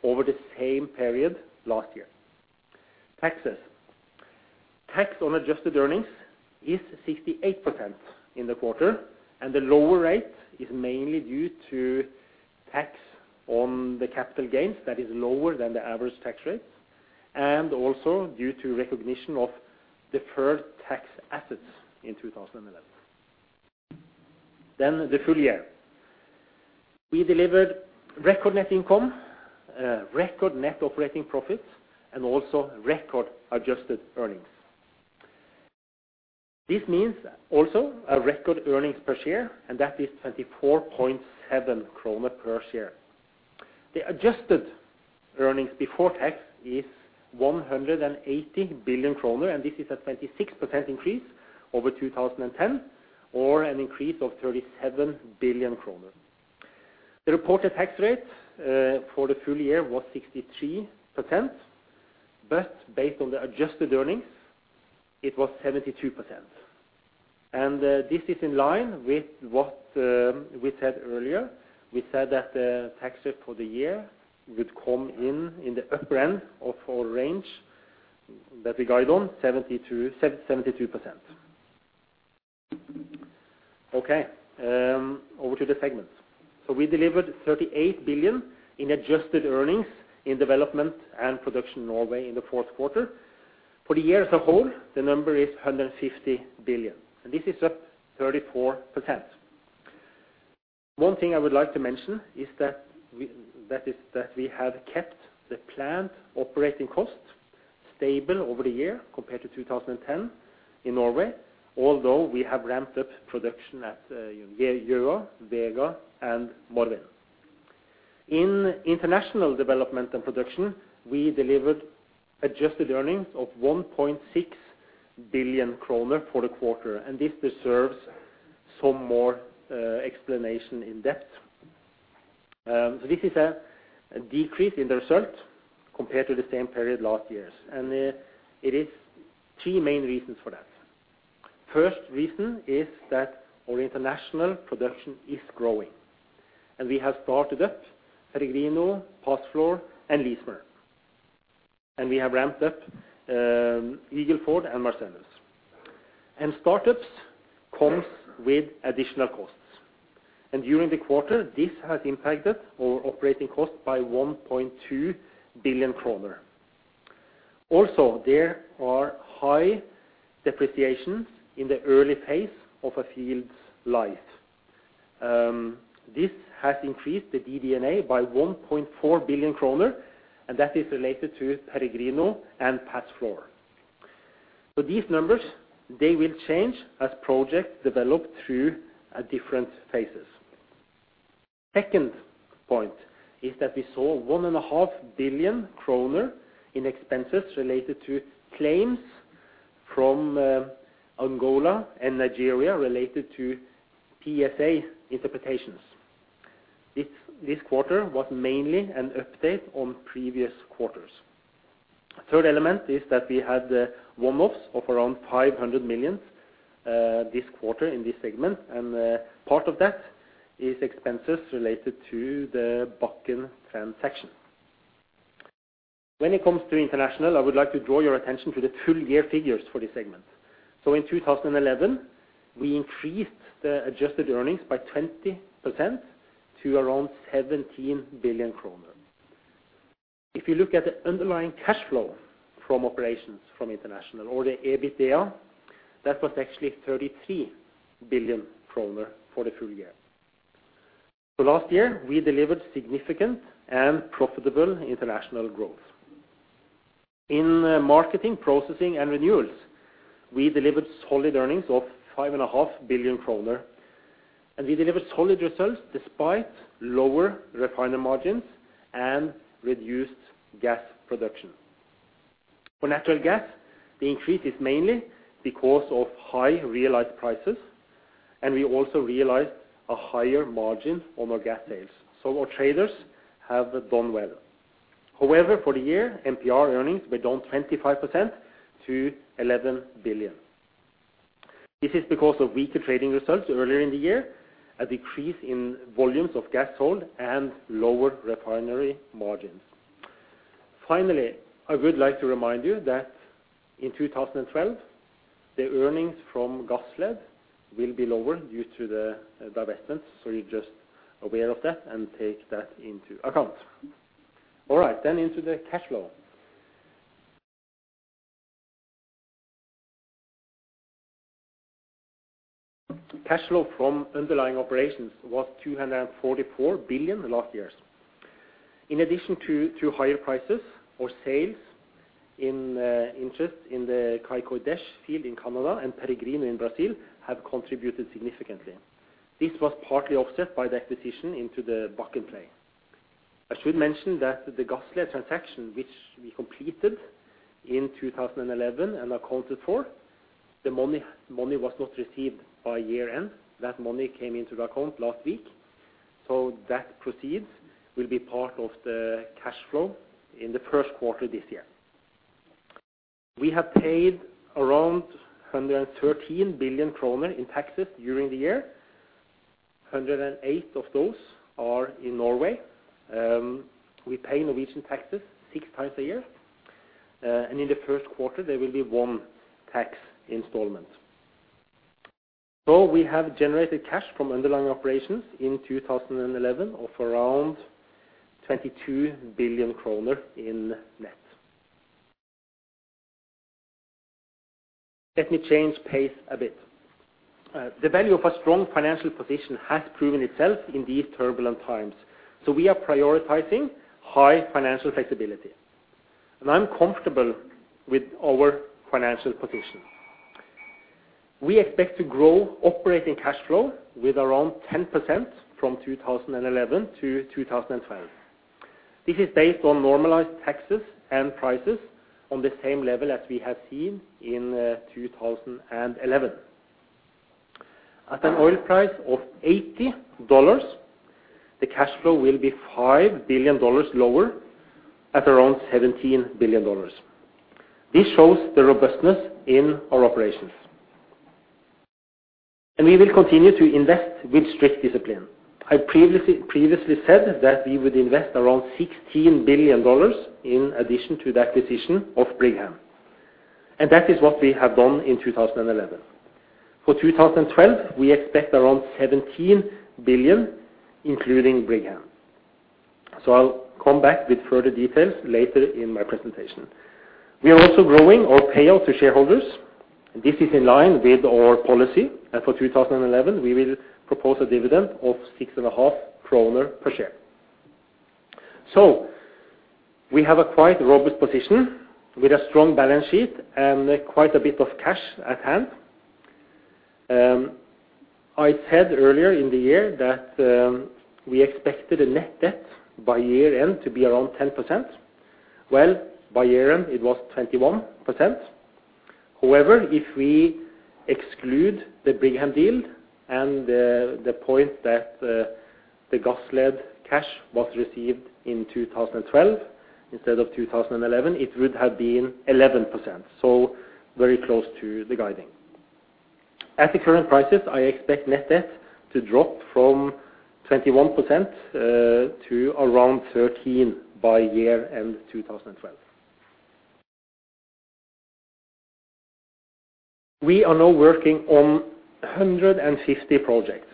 over the same period last year. Taxes. Tax on adjusted earnings is 68% in the quarter, and the lower rate is mainly due to tax on the capital gains that is lower than the average tax rate and also due to recognition of deferred tax assets in 2011. The full year. We delivered record net income, record net operating profits, and also record adjusted earnings. This means also a record earnings per share, and that is 24.7 krone per share. The adjusted earnings before tax is 180 billion krone, and this is a 26% increase over 2010 or an increase of 37 billion krone. The reported tax rate for the full year was 63%, but based on the adjusted earnings, it was 72%. This is in line with what we said earlier. We said that the tax rate for the year would come in in the upper end of our range that we guide on, 72%. Okay, over to the segments. We delivered 38 billion in adjusted earnings in development and production in Norway in the fourth quarter. For the year as a whole, the number is 150 billion. This is up 34%. One thing I would like to mention is that we have kept the planned operating costs stable over the year compared to 2010 in Norway, although we have ramped up production at Gjøa, Vega, and Morvin. In international development and production, we delivered adjusted earnings of 1.6 billion kroner for the quarter, and this deserves some more explanation in depth. This is a decrease in the result compared to the same period last years. It is three main reasons for that. First reason is that our international production is growing. We have started up Peregrino, Pazflor, and Leismer. We have ramped up Eagle Ford and Marcellus. Startups comes with additional costs. During the quarter, this has impacted our operating cost by 1.2 billion kroner. Also, there are high depreciations in the early phase of a field's life. This has increased the DD&A by 1.4 billion kroner, and that is related to Peregrino and Pazflor. These numbers, they will change as projects develop through different phases. Second point is that we saw 1.5 billion kroner in expenses related to claims from Angola and Nigeria related to PSA interpretations. This quarter was mainly an update on previous quarters. Third element is that we had one-offs of around 500 million this quarter in this segment, and part of that is expenses related to the Bakken transaction. When it comes to international, I would like to draw your attention to the full-year figures for this segment. In 2011, we increased the adjusted earnings by 20% to around 17 billion kroner. If you look at the underlying cash flow from operations from international or the EBITDA, that was actually 33 billion kroner for the full year. Last year, we delivered significant and profitable international growth. In marketing, processing, and renewables, we delivered solid earnings of 5.5 billion kroner, and we delivered solid results despite lower refinery margins and reduced gas production. For natural gas, the increase is mainly because of high realized prices, and we also realized a higher margin on our gas sales. Our traders have done well. However, for the year, MP&R earnings were down 25% to 11 billion. This is because of weaker trading results earlier in the year, a decrease in volumes of gas sold, and lower refinery margins. Finally, I would like to remind you that in 2012, the earnings from Gassled will be lower due to the divestment. You're just aware of that and take that into account. All right, into the cash flow. Cash flow from underlying operations was 244 billion last year. In addition to higher prices, our sales and interest in the Kai Kos Dehseh field in Canada and Peregrino in Brazil have contributed significantly. This was partly offset by the acquisition into the Bakken play. I should mention that the Gassled transaction, which we completed in 2011 and accounted for, the money was not received by year-end. That money came into the account last week. That proceeds will be part of the cash flow in the first quarter this year. We have paid around 113 billion kroner in taxes during the year. 108 of those are in Norway. We pay Norwegian taxes six times a year and in the first quarter, there will be one tax installment. We have generated cash from underlying operations in 2011 of around 22 billion kroner in net. Let me change pace a bit. The value of a strong financial position has proven itself in these turbulent times. We are prioritizing high financial flexibility. I'm comfortable with our financial position. We expect to grow operating cash flow with around 10% from 2011 to 2012. This is based on normalized taxes and prices on the same level as we have seen in 2011. At an oil price of $80, the cash flow will be $5 billion lower at around $17 billion. This shows the robustness in our operations. We will continue to invest with strict discipline. I previously said that we would invest around $16 billion in addition to the acquisition of Brigham. That is what we have done in 2011. For 2012, we expect around $17 billion, including Brigham. I'll come back with further details later in my presentation. We are also growing our payout to shareholders. This is in line with our policy. For 2011, we will propose a dividend of 6.5 kroner per share. We have a quite robust position with a strong balance sheet and quite a bit of cash at hand. I said earlier in the year that we expected a net debt by year-end to be around 10%. By year-end, it was 21%. However, if we exclude the Brigham deal and the point that the Gassled cash was received in 2012 instead of 2011, it would have been 11%. Very close to the guidance. At the current prices, I expect net debt to drop from 21% to around 13% by year-end 2012. We are now working on 150 projects.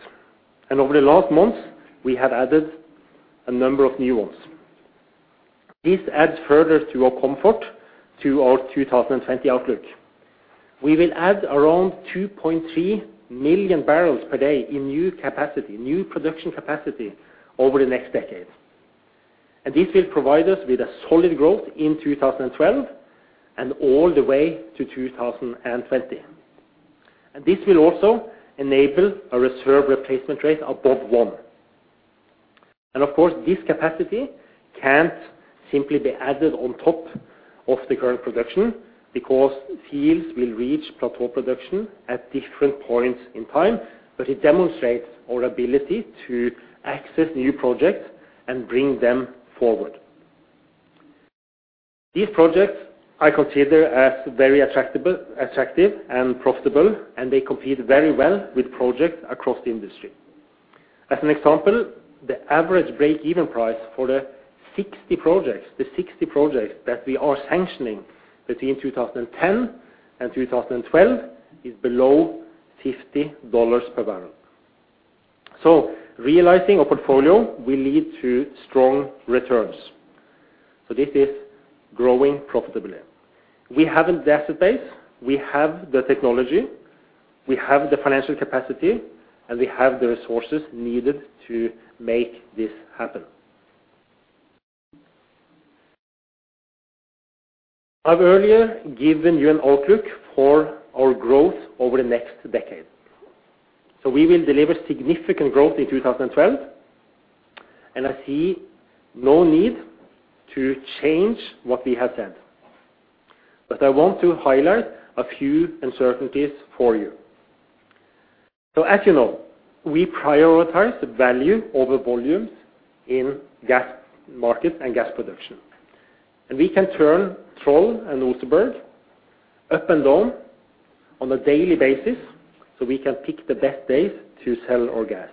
Over the last months, we have added a number of new ones. This adds further to our comfort to our 2020 outlook. We will add around 2.3 million barrels per day in new capacity, new production capacity over the next decade. This will provide us with a solid growth in 2012 and all the way to 2020. This will also enable a reserve replacement rate above 1. Of course, this capacity can't simply be added on top of the current production because fields will reach plateau production at different points in time. It demonstrates our ability to access new projects and bring them forward. These projects I consider as very attractive and profitable, and they compete very well with projects across the industry. As an example, the average break-even price for the 60 projects that we are sanctioning between 2010 and 2012 is below $50 per barrel. Realizing our portfolio will lead to strong returns. This is growing profitably. We have the asset base, we have the technology, we have the financial capacity, and we have the resources needed to make this happen. I've earlier given you an outlook for our growth over the next decade. We will deliver significant growth in 2012, and I see no need to change what we have said. I want to highlight a few uncertainties for you. As you know, we prioritize value over volumes in gas market and gas production. We can turn Troll and Oseberg up and down on a daily basis, so we can pick the best days to sell our gas.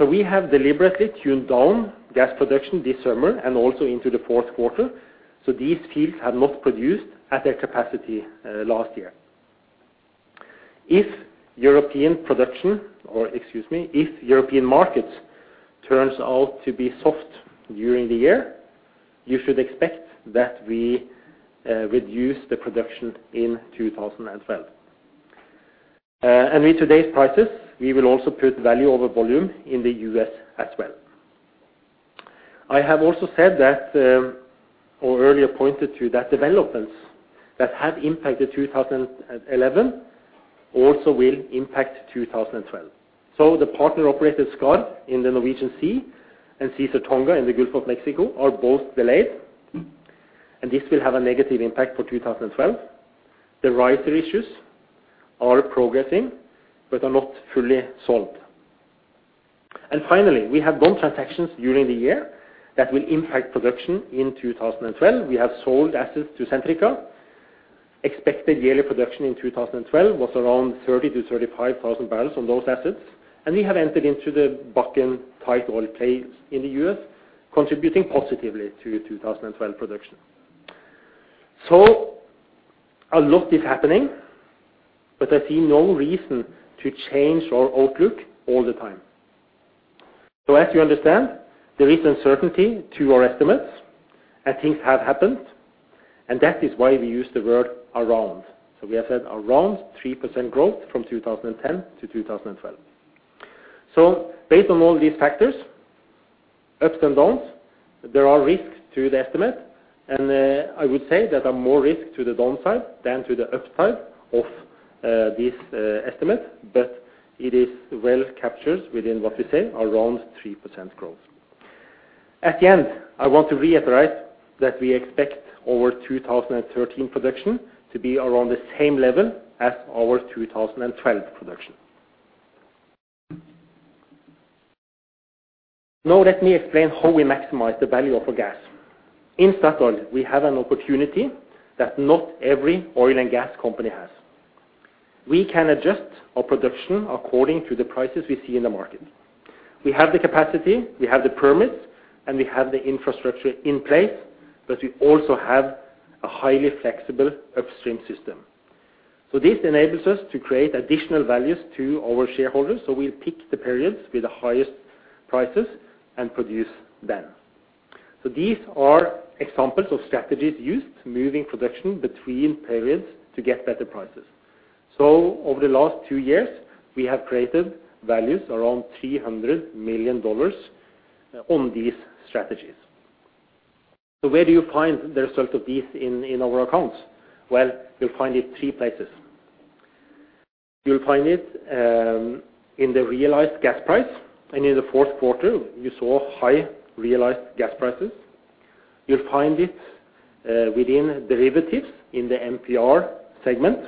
We have deliberately tuned down gas production this summer and also into the fourth quarter. These fields have not produced at their capacity last year. If European markets turns out to be soft during the year, you should expect that we reduce the production in 2012. With today's prices, we will also put value over volume in the U.S. as well. I have also said that, or earlier pointed to that developments that have impacted 2011 also will impact 2012. The partner operated Skarv in the Norwegian Sea and Caesar-Tonga in the Gulf of Mexico are both delayed, and this will have a negative impact for 2012. The riser issues are progressing but are not fully solved. Finally, we have done transactions during the year that will impact production in 2012. We have sold assets to Centrica. Expected yearly production in 2012 was around 30-35,000 barrels on those assets. We have entered into the Bakken tight oil plays in the US, contributing positively to 2012 production. A lot is happening, but I see no reason to change our outlook all the time. As you understand, there is uncertainty to our estimates, and things have happened, and that is why we use the word around. We have said around 3% growth from 2010 to 2012. Based on all these factors, ups and downs, there are risks to the estimate. I would say there are more risk to the downside than to the upside of this estimate, but it is well captured within what we say, around 3% growth. At the end, I want to reiterate that we expect our 2013 production to be around the same level as our 2012 production. Now let me explain how we maximize the value of our gas. In Statoil, we have an opportunity that not every oil and gas company has. We can adjust our production according to the prices we see in the market. We have the capacity, we have the permits, and we have the infrastructure in place, but we also have a highly flexible upstream system. This enables us to create additional values to our shareholders. We'll pick the periods with the highest prices and produce then. These are examples of strategies used, moving production between periods to get better prices. Over the last two years, we have created values around $300 million on these strategies. Where do you find the result of this in our accounts? Well, you'll find it three places. You'll find it in the realized gas price. In the fourth quarter, you saw high realized gas prices. You'll find it within derivatives in the MPR segment.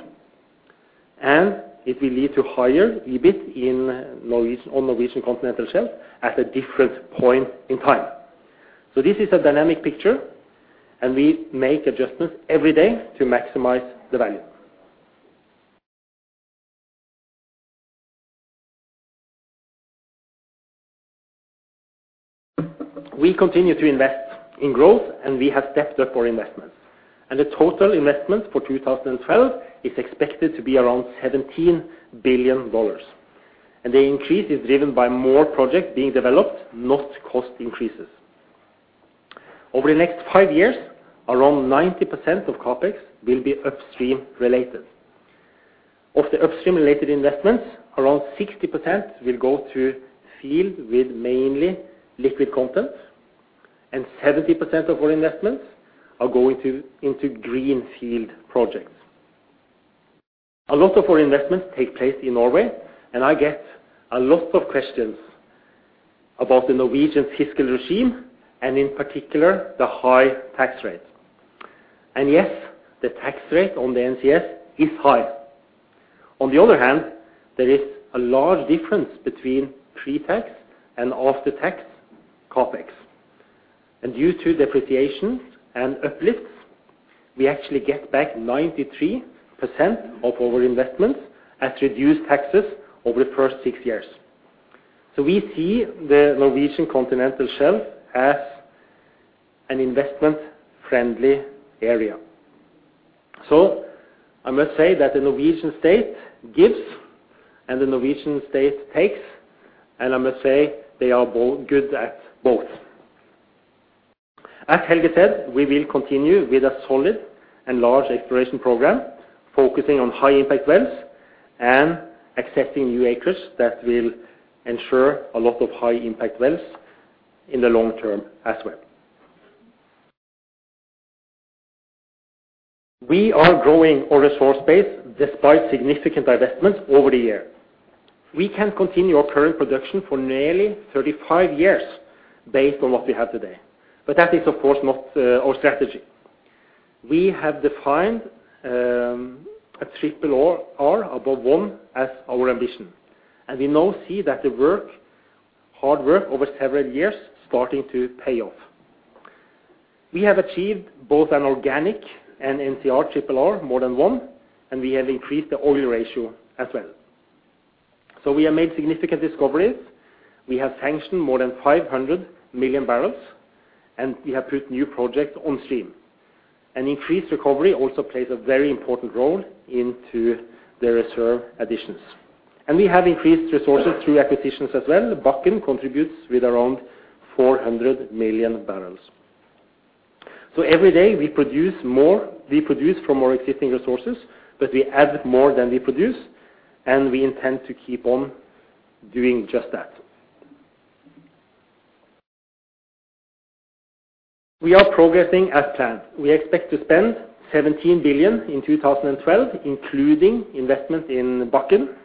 It will lead to higher EBIT on Norwegian Continental Shelf at a different point in time. This is a dynamic picture, and we make adjustments every day to maximize the value. We continue to invest in growth, and we have stepped up our investments. The total investment for 2012 is expected to be around $17 billion. The increase is driven by more projects being developed, not cost increases. Over the next 5 years, around 90% of CapEx will be upstream related. Of the upstream-related investments, around 60% will go to field with mainly liquid content, and 70% of our investments are going into greenfield projects. A lot of our investments take place in Norway, and I get a lot of questions about the Norwegian fiscal regime, and in particular, the high tax rate. Yes, the tax rate on the NCS is high. On the other hand, there is a large difference between pre-tax and after-tax CapEx. Due to depreciation and uplifts, we actually get back 93% of our investments as reduced taxes over the first 6 years. We see the Norwegian Continental Shelf as an investment-friendly area. I must say that the Norwegian state gives and the Norwegian state takes, and I must say they are both good at both. As Helge said, we will continue with a solid and large exploration program focusing on high-impact wells and accepting new acres that will ensure a lot of high-impact wells in the long term as well. We are growing our resource base despite significant divestments over the year. We can continue our current production for nearly 35 years based on what we have today, but that is, of course, not our strategy. We have defined a triple R above one as our ambition, and we now see that the hard work over several years starting to pay off. We have achieved both an organic and NCS triple R more than one, and we have increased the oil ratio as well. We have made significant discoveries. We have sanctioned more than 500 million barrels, and we have put new projects on stream. An increased recovery also plays a very important role in the reserve additions. We have increased resources through acquisitions as well. The Bakken contributes with around 400 million barrels. Every day we produce more, we produce from our existing resources, but we add more than we produce, and we intend to keep on doing just that. We are progressing as planned. We expect to spend $17 billion in 2012, including investment in Bakken.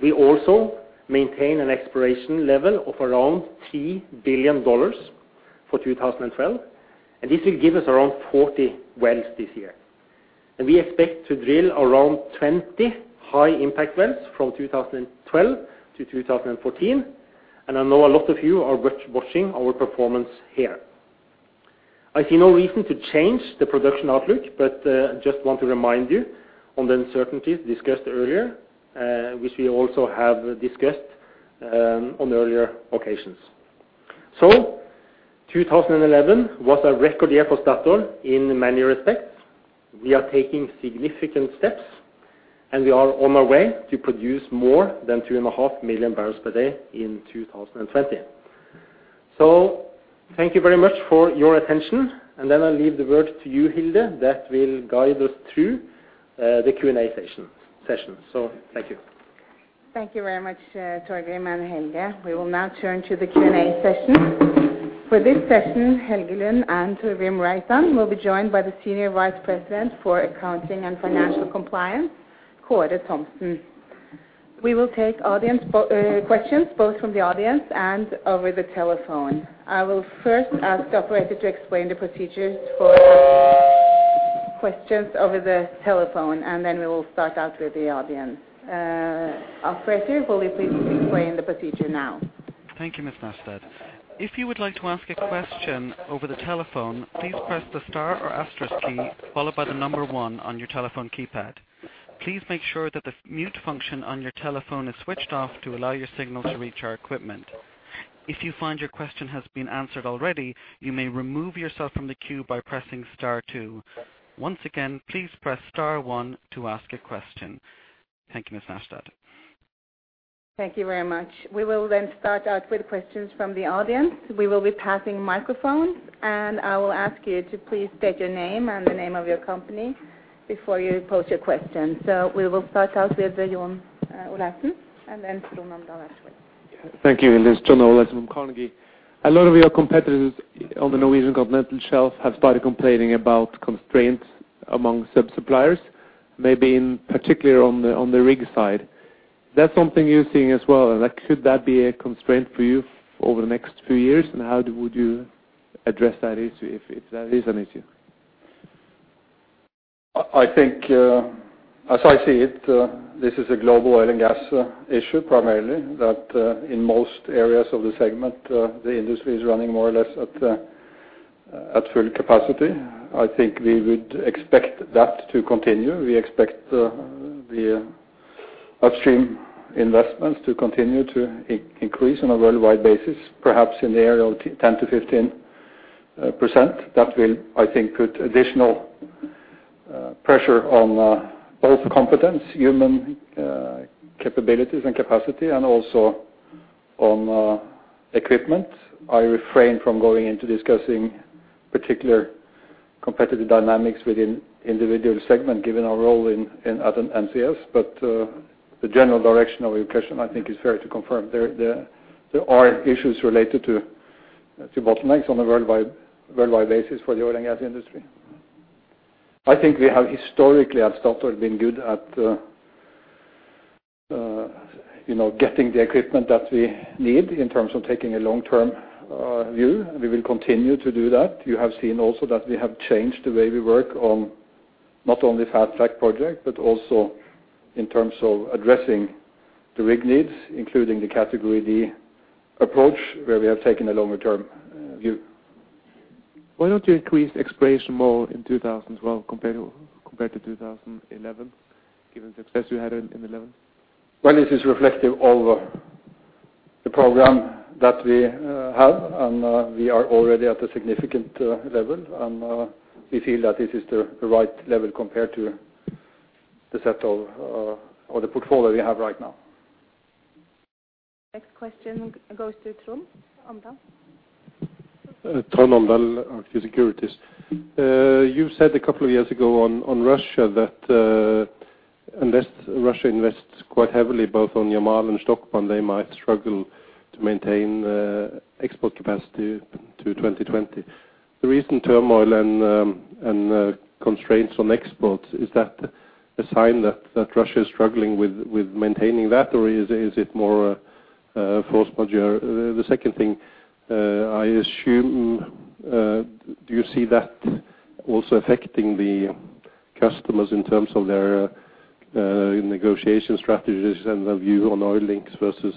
We also maintain an exploration level of around $3 billion for 2012, and this will give us around 40 wells this year. We expect to drill around 20 high-impact wells from 2012 to 2014, and I know a lot of you are watching our performance here. I see no reason to change the production outlook, but just want to remind you on the uncertainties discussed earlier, which we also have discussed on earlier occasions. 2011 was a record year for Statoil in many respects. We are taking significant steps, and we are on our way to produce more than 3.5 million barrels per day in 2020. Thank you very much for your attention, and then I'll leave the word to you, Hilde, that will guide us through the Q&A session. Thank you. Thank you very much, Torgrim Reitan and Helge Lund. We will now turn to the Q&A session. For this session, Helge Lund and Torgrim Reitan will be joined by the Senior Vice President for Accounting and Financial Compliance, Kåre Thomassen. We will take audience questions both from the audience and over the telephone. I will first ask the operator to explain the procedure for asking questions over the telephone, and then we will start out with the audience. Operator, will you please explain the procedure now? Thank you, Ms. Nafstad. If you would like to ask a question over the telephone, please press the star or asterisk key followed by the number one on your telephone keypad. Please make sure that the mute function on your telephone is switched off to allow your signal to reach our equipment. If you find your question has been answered already, you may remove yourself from the queue by pressing star two. Once again, please press star one to ask a question. Thank you, Ms. Nafstad. Thank you very much. We will then start out with questions from the audience. We will be passing microphones, and I will ask you to please state your name and the name of your company before you pose your question. We will start out with John Olaisen, and then Trond Omdal as well. Thank you, Hilde. It's John Olaisen from Carnegie. A lot of your competitors on the Norwegian Continental Shelf have started complaining about constraints among sub-suppliers, maybe in particular on the rig side. Is that something you're seeing as well? Like, should that be a constraint for you over the next few years? How would you address that issue if that is an issue? I think as I see it this is a global oil and gas issue primarily that in most areas of the segment the industry is running more or less at full capacity. I think we would expect that to continue. We expect the upstream investments to continue to increase on a worldwide basis, perhaps in the area of 10%-15%. That will I think put additional pressure on both human competence, capabilities and capacity and also on equipment. I refrain from going into discussing particular competitive dynamics within individual segment given our role in the NCS, but the general direction of your question I think is fair to confirm. There are issues related to bottlenecks on a worldwide basis for the oil and gas industry. I think we have historically at Statoil been good at, you know, getting the equipment that we need in terms of taking a long-term view. We will continue to do that. You have seen also that we have changed the way we work on. Not only fast track project, but also in terms of addressing the rig needs, including the Category D approach, where we have taken a longer term view. Why don't you increase exploration more in 2012 compared to 2011, given the success you had in 2011? Well, this is reflective of the program that we have, and we are already at a significant level. We feel that this is the right level compared to the set of, or the portfolio we have right now. Next question goes to Trond Omdal. Trond Omdal, Arctic Securities. You said a couple of years ago on Russia that unless Russia invests quite heavily both on Yamal and Shtokman, they might struggle to maintain export capacity to 2020. The recent turmoil and constraints on exports, is that a sign that Russia is struggling with maintaining that? Or is it more force majeure? The second thing, I assume, do you see that also affecting the customers in terms of their negotiation strategies and their view on oil links versus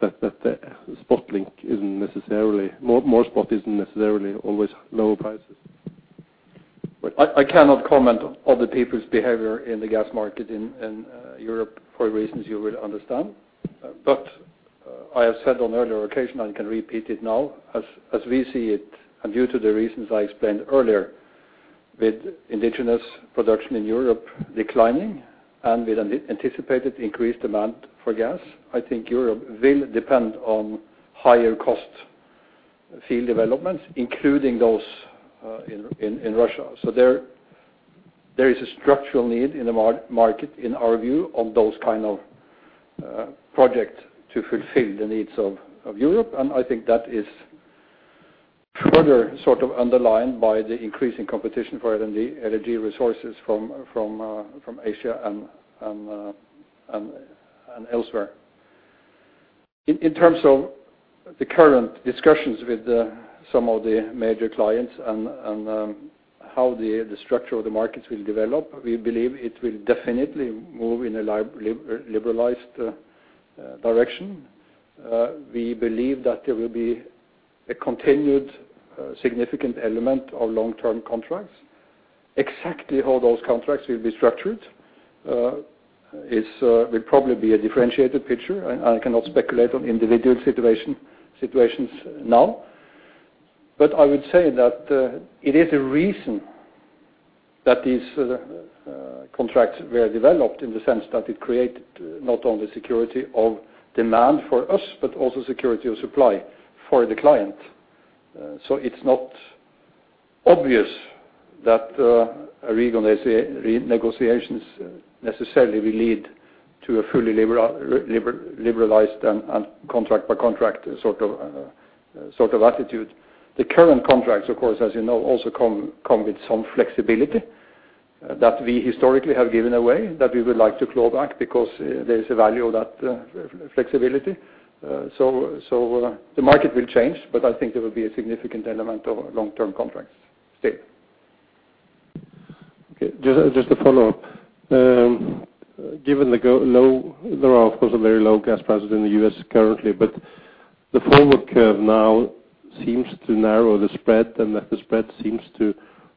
that the spot link isn't necessarily more spot isn't necessarily always lower prices? Well, I cannot comment on other people's behavior in the gas market in Europe for reasons you will understand. I have said on earlier occasion, I can repeat it now. As we see it, and due to the reasons I explained earlier, with indigenous production in Europe declining, and with an anticipated increased demand for gas, I think Europe will depend on higher cost field developments, including those in Russia. There is a structural need in the market, in our view, of those kind of project to fulfill the needs of Europe. I think that is further sort of underlined by the increasing competition for energy resources from Asia and elsewhere. In terms of the current discussions with some of the major clients and how the structure of the markets will develop, we believe it will definitely move in a liberalized direction. We believe that there will be a continued significant element of long-term contracts. Exactly how those contracts will be structured will probably be a differentiated picture. I cannot speculate on individual situations now. I would say that it is a reason that these contracts were developed in the sense that it created not only security of demand for us, but also security of supply for the client. It's not obvious that renegotiations necessarily will lead to a fully liberalized and contract by contract sort of attitude. The current contracts, of course, as you know, also come with some flexibility that we historically have given away, that we would like to claw back because there is a value of that, flexibility. So the market will change, but I think there will be a significant element of long-term contracts still. Okay. Just to follow up. Given the low, there are, of course, very low gas prices in the US currently, but the forward curve now seems to narrow the spread, and that the spread seems to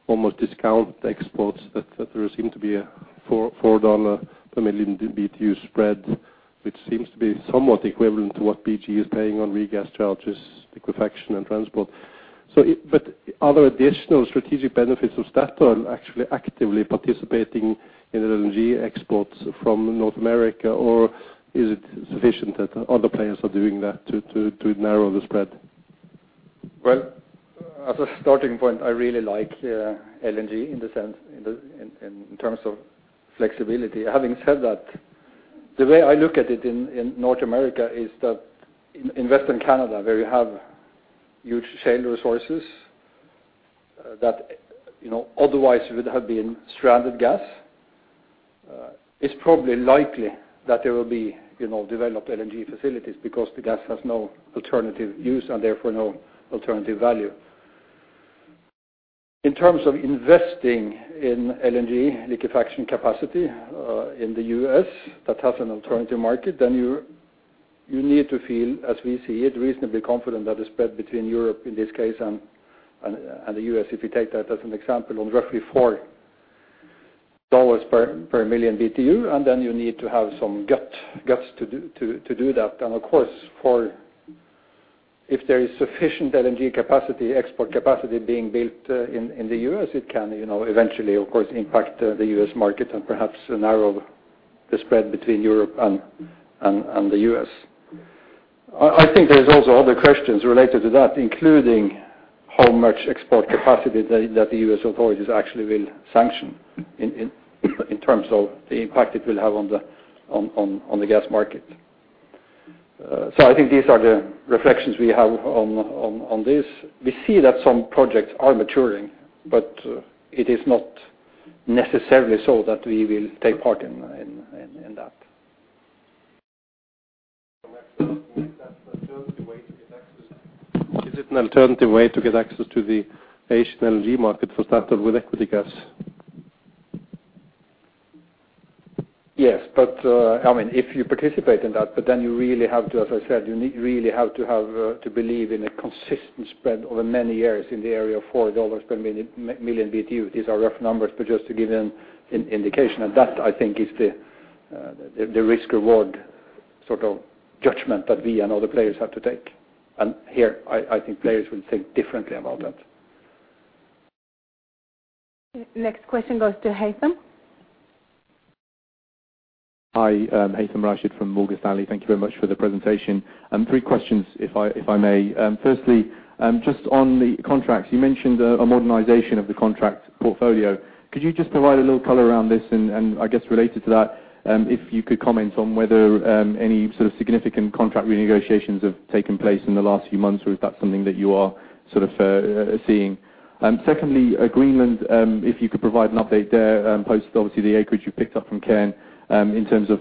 almost discount exports, that there seems to be a $4 per million BTU spread, which seems to be somewhat equivalent to what BG is paying on regas charges, liquefaction, and transport. But are there additional strategic benefits of Statoil actually actively participating in LNG exports from North America, or is it sufficient that other players are doing that to narrow the spread? Well, as a starting point, I really like LNG in the sense, in terms of flexibility. Having said that, the way I look at it in North America is that in Western Canada, where you have huge shale resources that, you know, otherwise would have been stranded gas, it's probably likely that there will be, you know, developed LNG facilities because the gas has no alternative use and therefore no alternative value. In terms of investing in LNG liquefaction capacity in the U.S. that has an alternative market, then you need to feel, as we see it, reasonably confident that the spread between Europe in this case and the U.S., if you take that as an example, on roughly $4 per million BTU, and then you need to have some guts to do that. Of course, if there is sufficient LNG capacity, export capacity being built in the U.S., it can, you know, eventually of course impact the U.S. market and perhaps narrow the spread between Europe and the U.S. I think there is also other questions related to that, including how much export capacity that the U.S. authorities actually will sanction in terms of the impact it will have on the gas market. I think these are the reflections we have on this. We see that some projects are maturing, but it is not necessarily so that we will take part in that. Is it an alternative way to get access to the Asian energy market for starters with equity gas? Yes, but I mean, if you participate in that, but then you really have to, as I said, you really have to believe in a consistent spread over many years in the area of $4 per million BTU. These are rough numbers, but just to give you an indication. That I think is the risk-reward sort of judgment that we and other players have to take. Here, I think players will think differently about that. Next question goes to Haythem. Hi, I'm Haythem Rashed from Morgan Stanley. Thank you very much for the presentation. Three questions, if I may. Firstly, just on the contracts, you mentioned a modernization of the contract portfolio. Could you just provide a little color around this? I guess related to that, if you could comment on whether any sort of significant contract renegotiations have taken place in the last few months, or if that's something that you are sort of seeing. Secondly, Greenland, if you could provide an update there, post obviously the acreage you picked up from Cairn, in terms of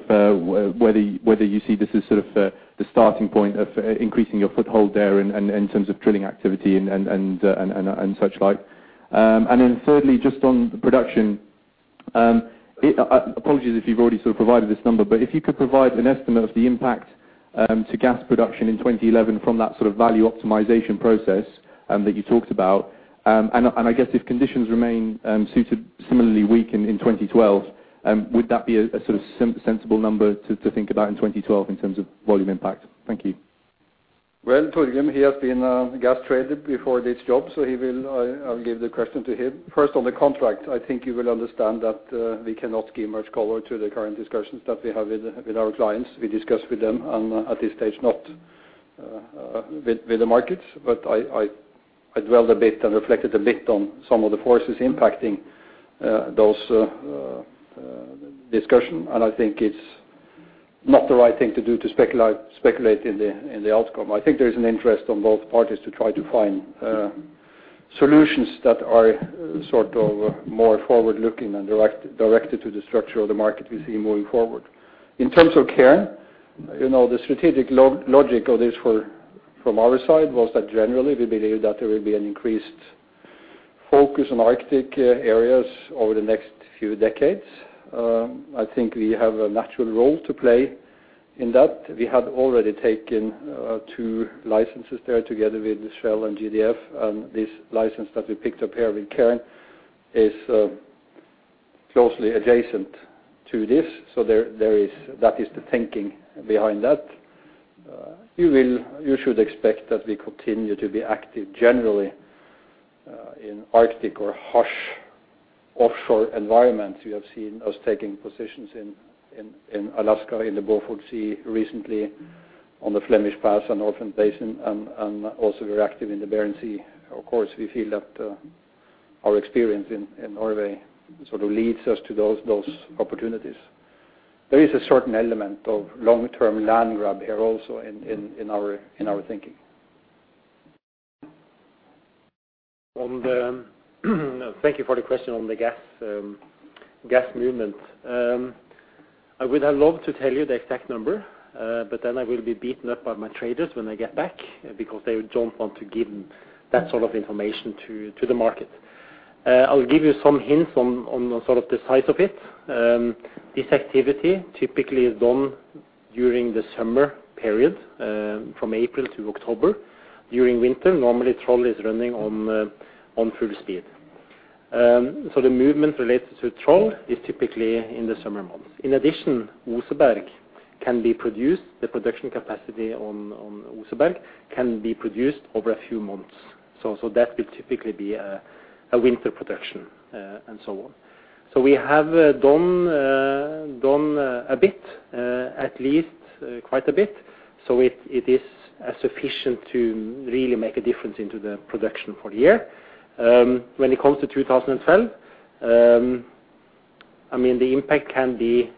whether you see this as sort of the starting point of increasing your foothold there in terms of drilling activity and such like. Thirdly, just on the production, apologies if you've already sort of provided this number, but if you could provide an estimate of the impact to gas production in 2011 from that sort of value optimization process that you talked about. I guess if conditions remain suited similarly weak in 2012, would that be a sort of sensible number to think about in 2012 in terms of volume impact? Thank you. Well, Torgrim, he has been gas trading before this job, so he will. I'll give the question to him. First on the contract, I think you will understand that we cannot give much color to the current discussions that we have with our clients. We discuss with them, and at this stage, not with the markets. I delved a bit and reflected a bit on some of the forces impacting those discussions. I think it's not the right thing to do to speculate in the outcome. I think there's an interest on both parties to try to find solutions that are sort of more forward-looking and directed to the structure of the market we see moving forward. In terms of Cairn Energy, you know, the strategic logic of this were from our side was that generally we believe that there will be an increased focus on Arctic areas over the next few decades. I think we have a natural role to play in that. We had already taken two licenses there together with Shell and GDF Suez, and this license that we picked up here with Cairn Energy is closely adjacent to this. There is, that is the thinking behind that. You should expect that we continue to be active generally in Arctic or harsh offshore environments. You have seen us taking positions in Alaska, in the Beaufort Sea recently on the Flemish Pass and North Orphan Basin and also we're active in the Bering Sea. Of course, we feel that our experience in Norway sort of leads us to those opportunities. There is a certain element of long-term land grab here also in our thinking. Thank you for the question on the gas movement. I would have loved to tell you the exact number, but then I will be beaten up by my traders when I get back because they don't want to give that sort of information to the market. I'll give you some hints on the sort of the size of it. This activity typically is done during the summer period, from April to October. During winter, normally Troll is running on full speed. So the movement related to Troll is typically in the summer months. In addition, Oseberg can be produced, the production capacity on Oseberg can be produced over a few months. So that will typically be a winter production, and so on. We have done a bit, at least, quite a bit. It is sufficient to really make a difference into the production for the year. When it comes to 2012, I mean, the impact can be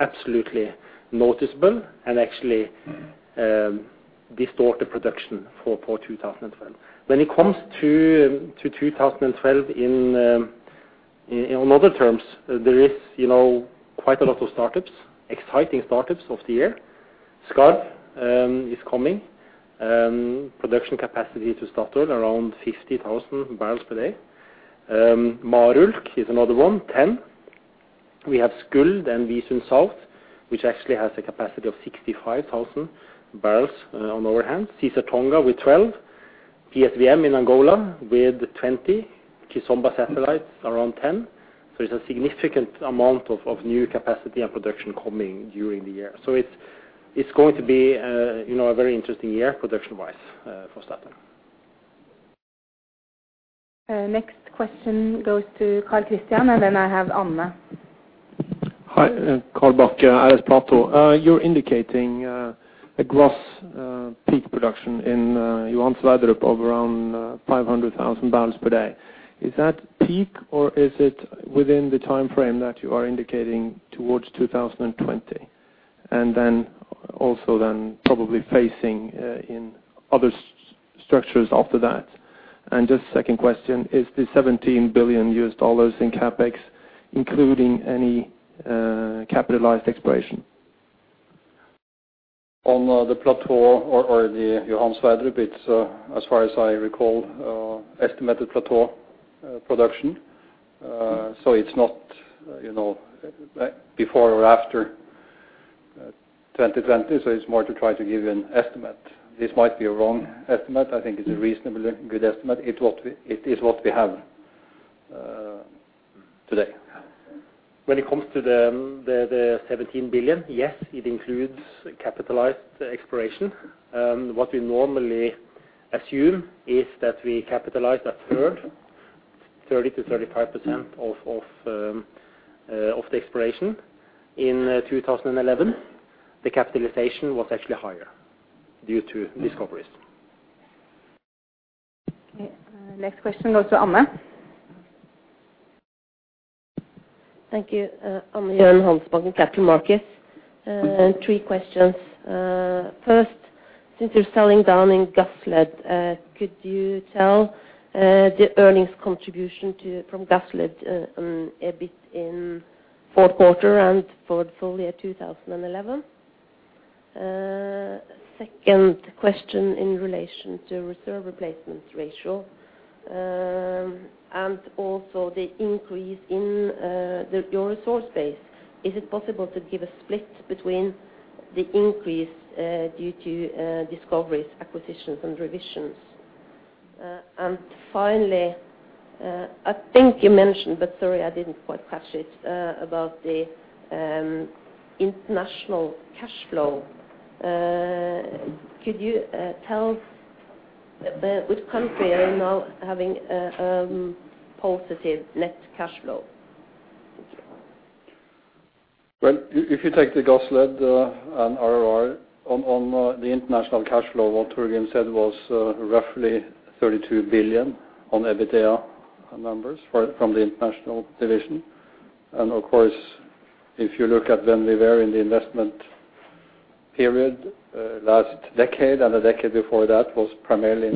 absolutely noticeable and actually distort the production for 2012. When it comes to 2012 in other terms, there is, you know, quite a lot of startups, exciting startups of the year. Skarv is coming. Production capacity to start around 50,000 barrels per day. Marulk is another one, 10. We have Skuld and Visund South, which actually has a capacity of 65,000 barrels on our hands. Caesar-Tonga with 12. PSVM in Angola with 20. Kizomba Satellite around 10. It's a significant amount of new capacity and production coming during the year. It's going to be, you know, a very interesting year production-wise for Statoil. Next question goes to Carl Bachke, and then I have Anne Gjoen. Hi, Carl Bachke, RS Platou. You're indicating a gross peak production in Johan Sverdrup of around 500,000 barrels per day. Is that peak, or is it within the timeframe that you are indicating towards 2020? Then also probably facing in other s- structures after that? Just second question, is the $17 billion used all those in CapEx, including any, capitalized exploration? On the plateau or the Johan Sverdrup, it's as far as I recall estimated plateau production. It's not, you know, before or after 2020, so it's more to try to give you an estimate. This might be a wrong estimate. I think it's a reasonably good estimate. It is what we have today. When it comes to the $17 billion, yes, it includes capitalized exploration. What we normally assume is that we capitalize a third, 30%-35% of the exploration. In 2011, the capitalization was actually higher due to discoveries. Okay, next question goes to Anne. Thank you. Anne Gjoen, Handelsbanken Capital Markets. Three questions. First, since you're selling down in Gassled, could you tell the earnings contribution to, from Gassled, a bit in fourth quarter and for full year 2011? Second question in relation to reserve replacement ratio, and also the increase in your resource base. Is it possible to give a split between the increase due to discoveries, acquisitions, and revisions? And finally, I think you mentioned, but sorry, I didn't quite catch it, about the international cash flow. Could you tell which country are you now having positive net cash flow? Thank you. Well, if you take the Gassled and RRR on the international cash flow, what Torgrim said was roughly $32 billion on EBITDA numbers from the international division. Of course, if you look at when we were in the investment period last decade and the decade before that was primarily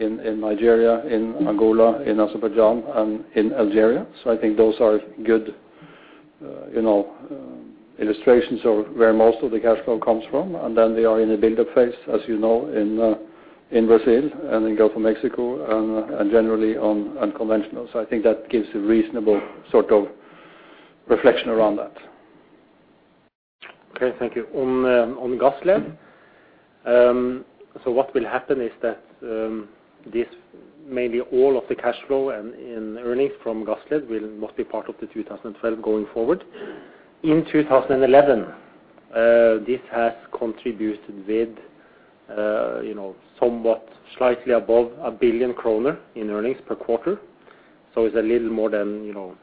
in Nigeria, in Angola, in Azerbaijan, and in Algeria. I think those are good, you know, illustrations of where most of the cash flow comes from. They are in a buildup phase, as you know, in Brazil and in Gulf of Mexico and generally on unconventional. I think that gives a reasonable sort of reflection around that. Okay, thank you. On Gassled, what will happen is that this may be all of the cash flow and earnings from Gassled will not be part of 2012 going forward. In 2011, this has contributed with, you know, somewhat slightly above 1 billion kroner in earnings per quarter. It's a little more than, you know,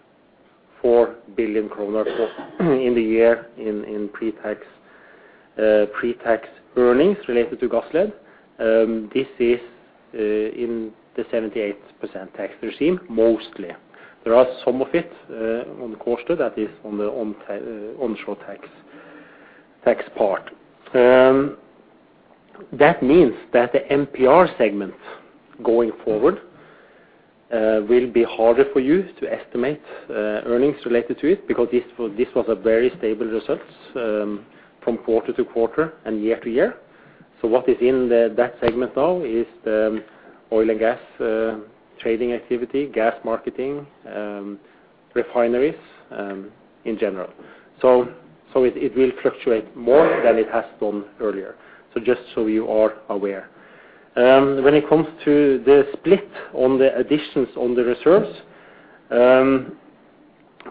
4 billion kroner for the year in pre-tax earnings related to Gassled. This is in the 78% tax regime mostly. There are some of it on the cost that is on the onshore tax part. That means that the MP&R segment going forward will be harder for you to estimate earnings related to it because this was a very stable results from quarter to quarter and year to year. What is in that segment now is the oil and gas trading activity, gas marketing, refineries in general. It will fluctuate more than it has done earlier. Just so you are aware. When it comes to the split on the additions on the reserves,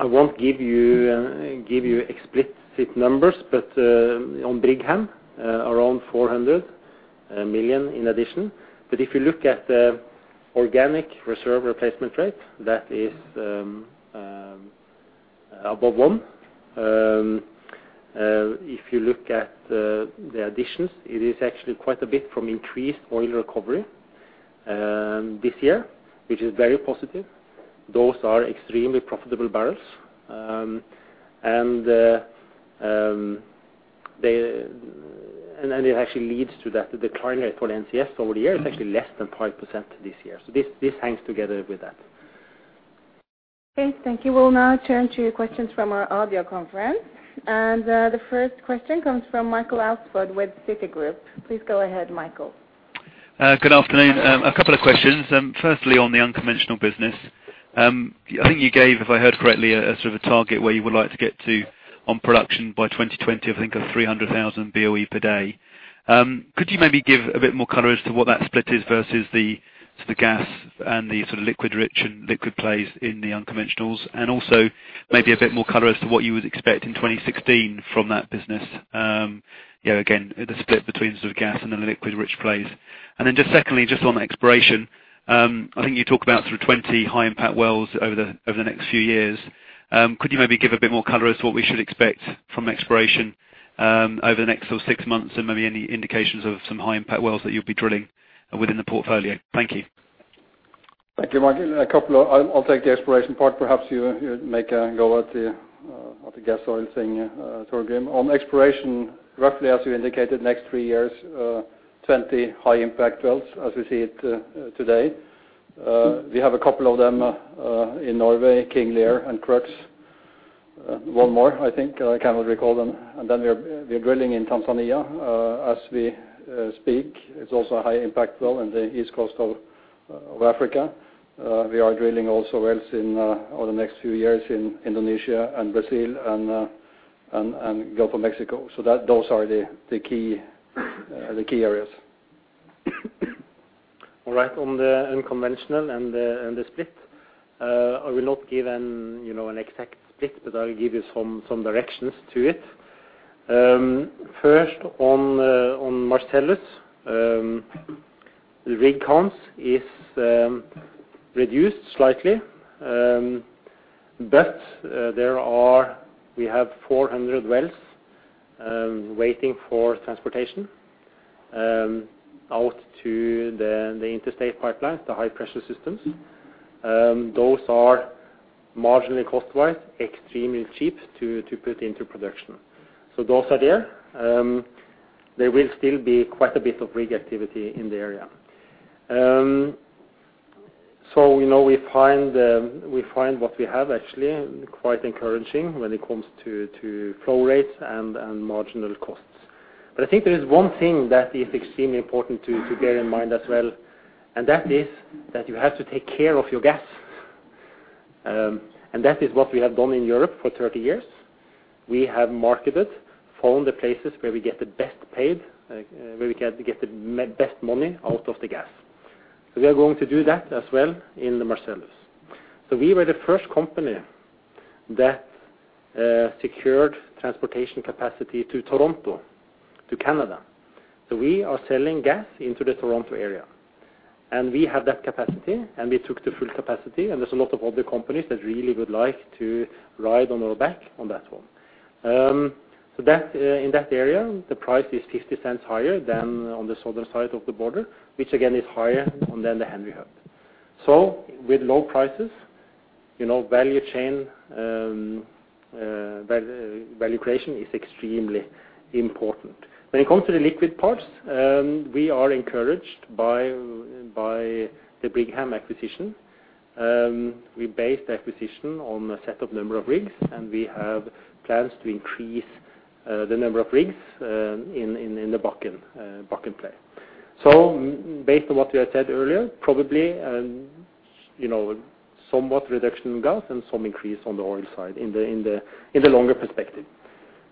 I won't give you explicit numbers, but on Brigham, around 400 million in addition. If you look at the organic reserve replacement rate, that is above one. If you look at the additions, it is actually quite a bit from increased oil recovery this year, which is very positive. Those are extremely profitable barrels. They and then it actually leads to that decline rate for NCS over the year is actually less than 5% this year. This hangs together with that. Okay, thank you. We'll now turn to your questions from our audio conference. The first question comes from Michael Alsford with Citigroup. Please go ahead, Michael. Good afternoon. A couple of questions. Firstly, on the unconventional business, I think you gave, if I heard correctly, a sort of a target where you would like to get to on production by 2020, I think, of 300,000 BOE per day. Could you maybe give a bit more color as to what that split is versus the sort of gas and the sort of liquid rich and liquid plays in the unconventionals? And also maybe a bit more color as to what you would expect in 2016 from that business. You know, again, the split between sort of gas and the liquid rich plays. Then just secondly, just on exploration, I think you talk about sort of 20 high impact wells over the next few years. Could you maybe give a bit more color as to what we should expect from exploration over the next sort of six months and maybe any indications of some high impact wells that you'll be drilling within the portfolio? Thank you. Thank you, Mike. I'll take the exploration part. Perhaps you make a go at the gas oil thing, Torgrim. On exploration, roughly as you indicated, next three years, 20 high impact wells as we see it today. We have a couple of them in Norway, King Lear and Crux. One more, I think. I cannot recall them. We are drilling in Tanzania as we speak. It's also a high impact well in the east coast of Africa. We are drilling also wells over the next few years in Indonesia and Brazil and Gulf of Mexico. Those are the key areas. All right. On the unconventional and the split, I will not give, you know, an exact split, but I'll give you some directions to it. First on Marcellus, the rig count is reduced slightly. But we have 400 wells waiting for transportation out to the interstate pipelines, the high pressure systems. Those are marginally cost-wise extremely cheap to put into production. So those are there. There will still be quite a bit of rig activity in the area. So you know, we find what we have actually quite encouraging when it comes to flow rates and marginal costs. I think there is one thing that is extremely important to bear in mind as well, and that is that you have to take care of your gas. That is what we have done in Europe for 30 years. We have marketed, found the places where we get the best paid, where we can get the best money out of the gas. We are going to do that as well in the Marcellus. We were the first company that secured transportation capacity to Toronto, to Canada. We are selling gas into the Toronto area. We have that capacity, and we took the full capacity, and there's a lot of other companies that really would like to ride on our back on that one. That in that area, the price is $0.50 higher than on the southern side of the border, which again is higher than the Henry Hub. With low prices, you know, value chain value creation is extremely important. When it comes to the liquid parts, we are encouraged by the Brigham acquisition. We based the acquisition on a set number of rigs, and we have plans to increase the number of rigs in the Bakken play. Based on what we had said earlier, probably, you know, somewhat reduction in gas and some increase on the oil side in the longer perspective.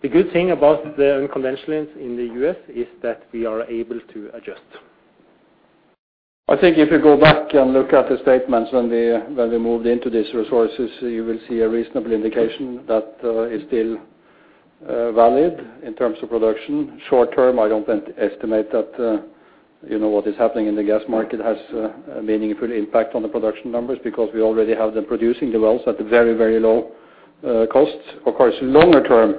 The good thing about the conventionals in the US is that we are able to adjust. I think if you go back and look at the statements when we moved into these resources, you will see a reasonable indication that is still valid in terms of production. Short-term, I don't estimate that you know what is happening in the gas market has a meaningful impact on the production numbers because we already have them producing the wells at a very, very low cost. Of course, longer term,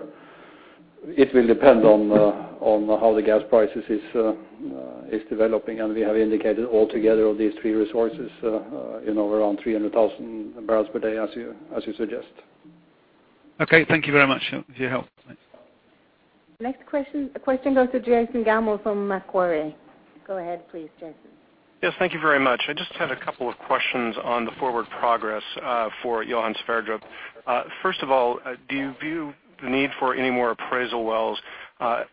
it will depend on how the gas prices is developing. We have indicated altogether of these three resources you know around 300,000 barrels per day as you suggest. Okay. Thank you very much for your help. Next question, the question goes to Jason Gammel from Macquarie. Go ahead, please, Jason. Yes, thank you very much. I just had a couple of questions on the forward progress for Johan Sverdrup. First of all, do you view the need for any more appraisal wells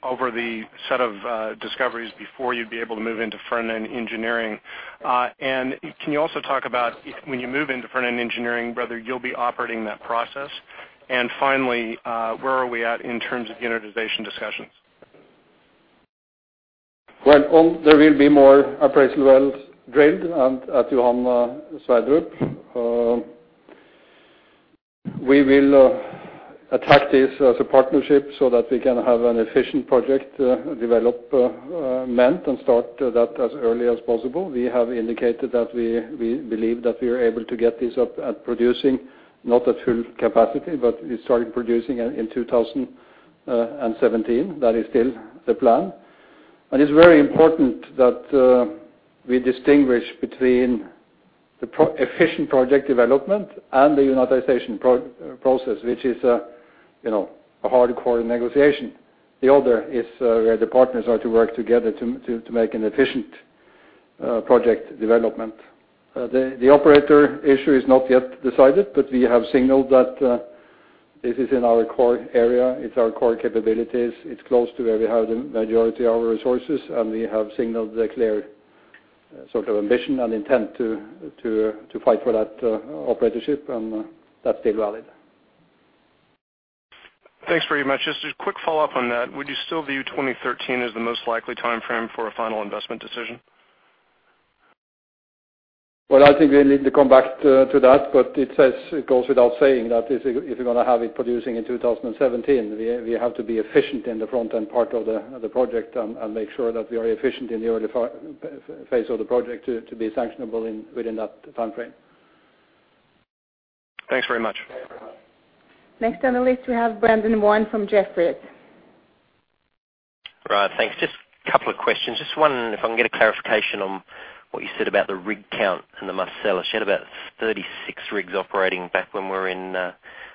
over the set of discoveries before you'd be able to move into front-end engineering? And can you also talk about when you move into front-end engineering, whether you'll be operating that process? And finally, where are we at in terms of the unitization discussions? One, there will be more appraisal wells drilled at Johan Sverdrup. We will tackle this as a partnership so that we can have an efficient project development and start that as early as possible. We have indicated that we believe that we are able to get this up and producing, not at full capacity, but we start producing in 2017. That is still the plan. It's very important that we distinguish between the efficient project development and the unitization process, which is, you know, a hardcore negotiation. The other is where the partners are to work together to make an efficient project development. The operator issue is not yet decided, but we have signaled that this is in our core area. It's our core capabilities. It's close to where we have the majority of our resources, and we have signaled a clear sort of ambition and intent to fight for that operatorship, and that's still valid. Thanks very much. Just a quick follow-up on that. Would you still view 2013 as the most likely timeframe for a final investment decision? Well, I think we'll need to come back to that, but it says it goes without saying that if you're gonna have it producing in 2017, we have to be efficient in the front-end part of the project and make sure that we are efficient in the early phase of the project to be sanctionable within that timeframe. Thanks very much. Next on the list, we have Brendan Warn from Jefferies. Right. Thanks. Just a couple of questions. Just one, if I can get a clarification on what you said about the rig count in the Marcellus. You had about 36 rigs operating back when we were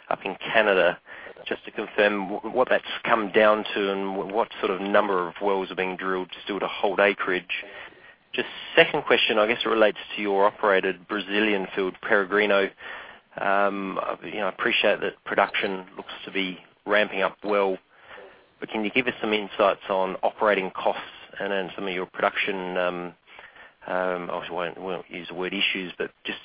up in Canada. Just to confirm what that's come down to and what sort of number of wells are being drilled still to hold acreage. Just second question, I guess it relates to your operated Brazilian field, Peregrino. You know, I appreciate that production looks to be ramping up well. But can you give us some insights on operating costs and then some of your production, obviously I won't use the word issues, but just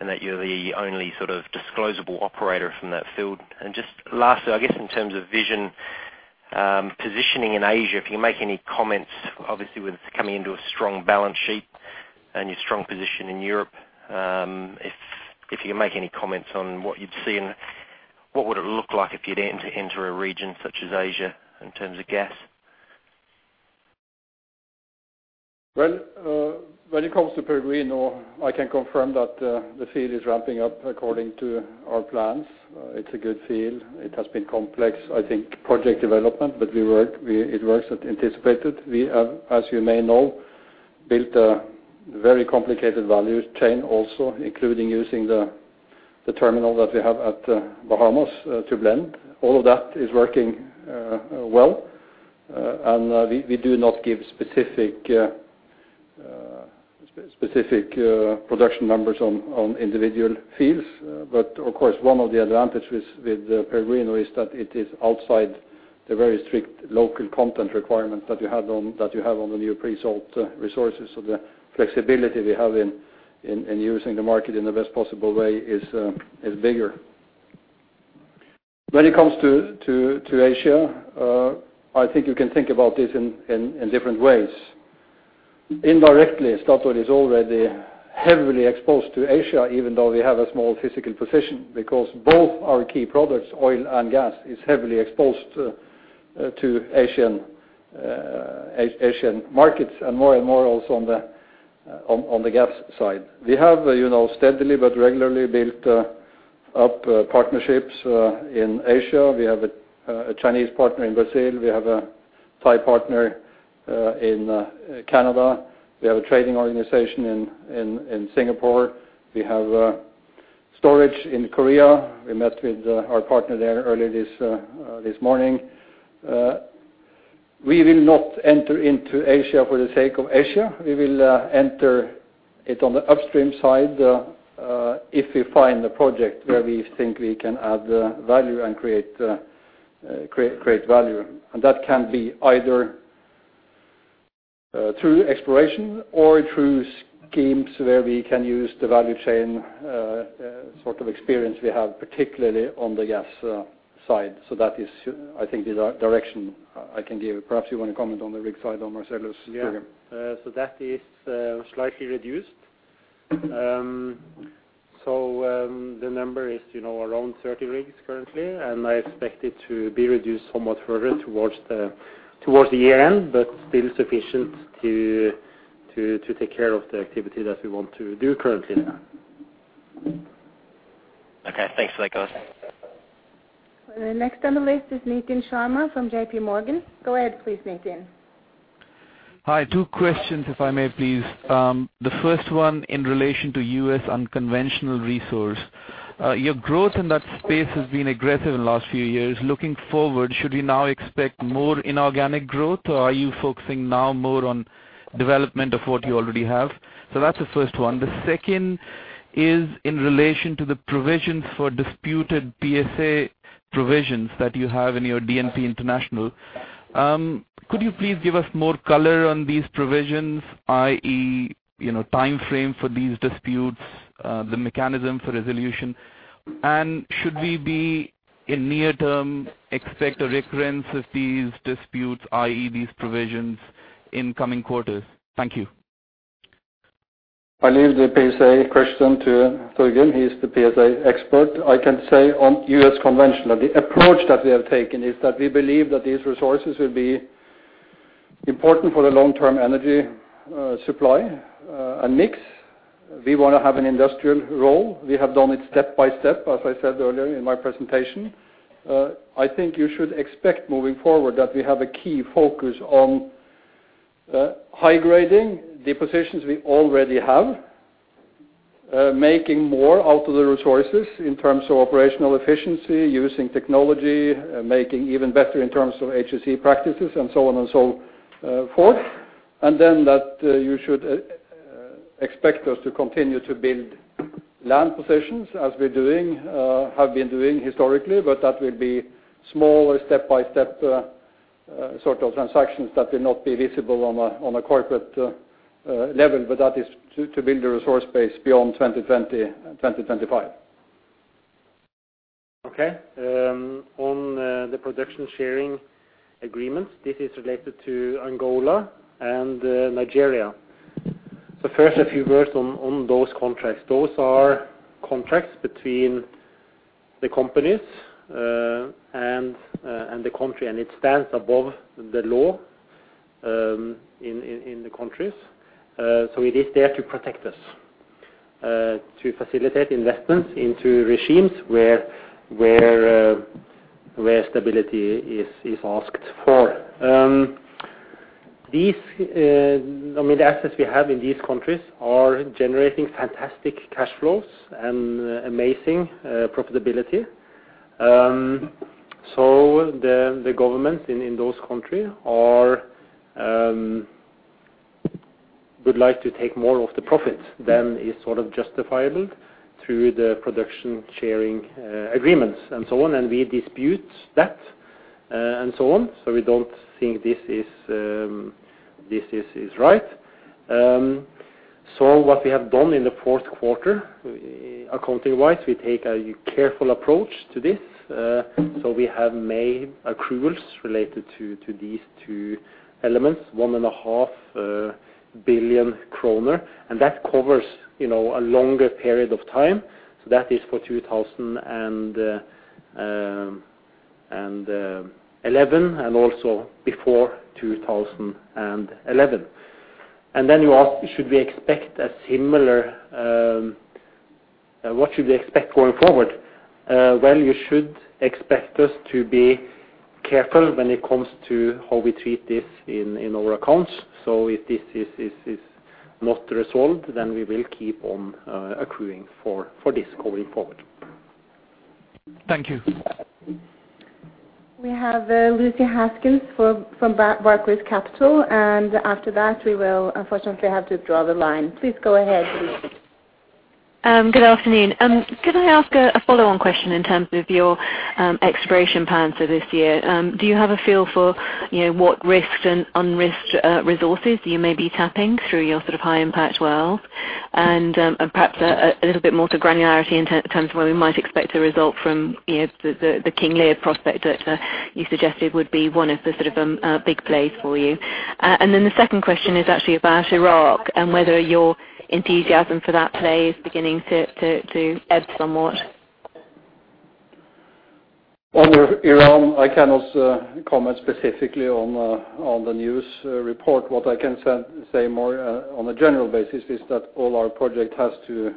in that you're the only sort of disclosable operator from that field. Just lastly, I guess in terms of vision, positioning in Asia, if you can make any comments, obviously with coming into a strong balance sheet and your strong position in Europe, if you can make any comments on what you'd see and what would it look like if you'd enter a region such as Asia in terms of gas? Well, when it comes to Peregrino, I can confirm that the field is ramping up according to our plans. It's a good field. It has been complex, I think, project development, but it works as anticipated. We have, as you may know, built a very complicated value chain also, including using the terminal that we have at Bahia to blend. All of that is working well. We do not give specific production numbers on individual fields. But of course, one of the advantages with Peregrino is that it is outside the very strict local content requirement that you have on the new pre-salt resources. The flexibility we have in using the market in the best possible way is bigger. When it comes to Asia, I think you can think about this in different ways. Indirectly, Statoil is already heavily exposed to Asia, even though we have a small physical position, because both our key products, oil and gas, is heavily exposed to Asian markets, and more and more also on the gas side. We have, you know, steadily but regularly built up partnerships in Asia. We have a Chinese partner in Brazil. We have a Thai partner in Canada. We have a trading organization in Singapore. We have storage in Korea. We met with our partner there earlier this morning. We will not enter into Asia for the sake of Asia. We will enter it on the upstream side, if we find a project where we think we can add value and create value. That can be either through exploration or through schemes where we can use the value chain, sort of experience we have, particularly on the gas side. That is, I think the direction I can give. Perhaps you want to comment on the rig side on Marcellus, Torgrim. Yeah. That is slightly reduced. The number is, you know, around 30 rigs currently, and I expect it to be reduced somewhat further towards the year-end, but still sufficient to take care of the activity that we want to do currently. Okay. Thanks for that, guys. Next on the list is Nitin Sharma from JP Morgan. Go ahead, please, Nitin. Hi, two questions if I may please. The first one in relation to U.S. unconventional resource. Your growth in that space has been aggressive in the last few years. Looking forward, should we now expect more inorganic growth, or are you focusing now more on development of what you already have? That's the first one. The second is in relation to the provisions for disputed PSA provisions that you have in your DPI International. Could you please give us more color on these provisions, i.e., you know, time frame for these disputes, the mechanism for resolution? Should we be, in near term, expect a reoccurrence of these disputes, i.e., these provisions in coming quarters? Thank you. I leave the PSA question to Torgrim. He's the PSA expert. I can say on U.S. conventional, the approach that we have taken is that we believe that these resources will be important for the long-term energy, supply, and mix. We wanna have an industrial role. We have done it step by step, as I said earlier in my presentation. I think you should expect moving forward that we have a key focus on, high-grading the positions we already have, making more out of the resources in terms of operational efficiency, using technology, making even better in terms of HSE practices and so on and so, forth. You should expect us to continue to build land positions as we're doing, have been doing historically, but that will be smaller step-by-step sort of transactions that will not be visible on a corporate level, but that is to build the resource base beyond 2020, 2025. On the production sharing agreement, this is related to Angola and Nigeria. First, a few words on those contracts. Those are contracts between the companies and the countries, and it stands above the law in the countries. It is there to protect us. To facilitate investments into regimes where stability is asked for. I mean, the assets we have in these countries are generating fantastic cash flows and amazing profitability. The government in those countries would like to take more of the profits than is sort of justifiable through the production sharing agreements and so on, and we dispute that and so on. We don't think this is right. What we have done in the fourth quarter accounting-wise, we take a careful approach to this. We have made accruals related to these two elements, 1.5 billion kroner, and that covers, you know, a longer period of time. That is for 2011, and also before 2011. Then you ask, what should we expect going forward? Well, you should expect us to be careful when it comes to how we treat this in our accounts. If this is not resolved, then we will keep on accruing for this going forward. Thank you. We have Lucy Haskins from Barclays Capital, and after that, we will unfortunately have to draw the line. Please go ahead, Lucy. Good afternoon. Could I ask a follow-on question in terms of your exploration plans for this year? Do you have a feel for, you know, what risked and unrisked resources you may be tapping through your sort of high-impact wells? And perhaps a little bit more granularity in terms of where we might expect a result from, you know, the King Lear prospect that you suggested would be one of the sort of big plays for you. The second question is actually about Iraq and whether your enthusiasm for that play is beginning to ebb somewhat. On Iran, I cannot comment specifically on the news report. What I can say more on a general basis is that all our project has to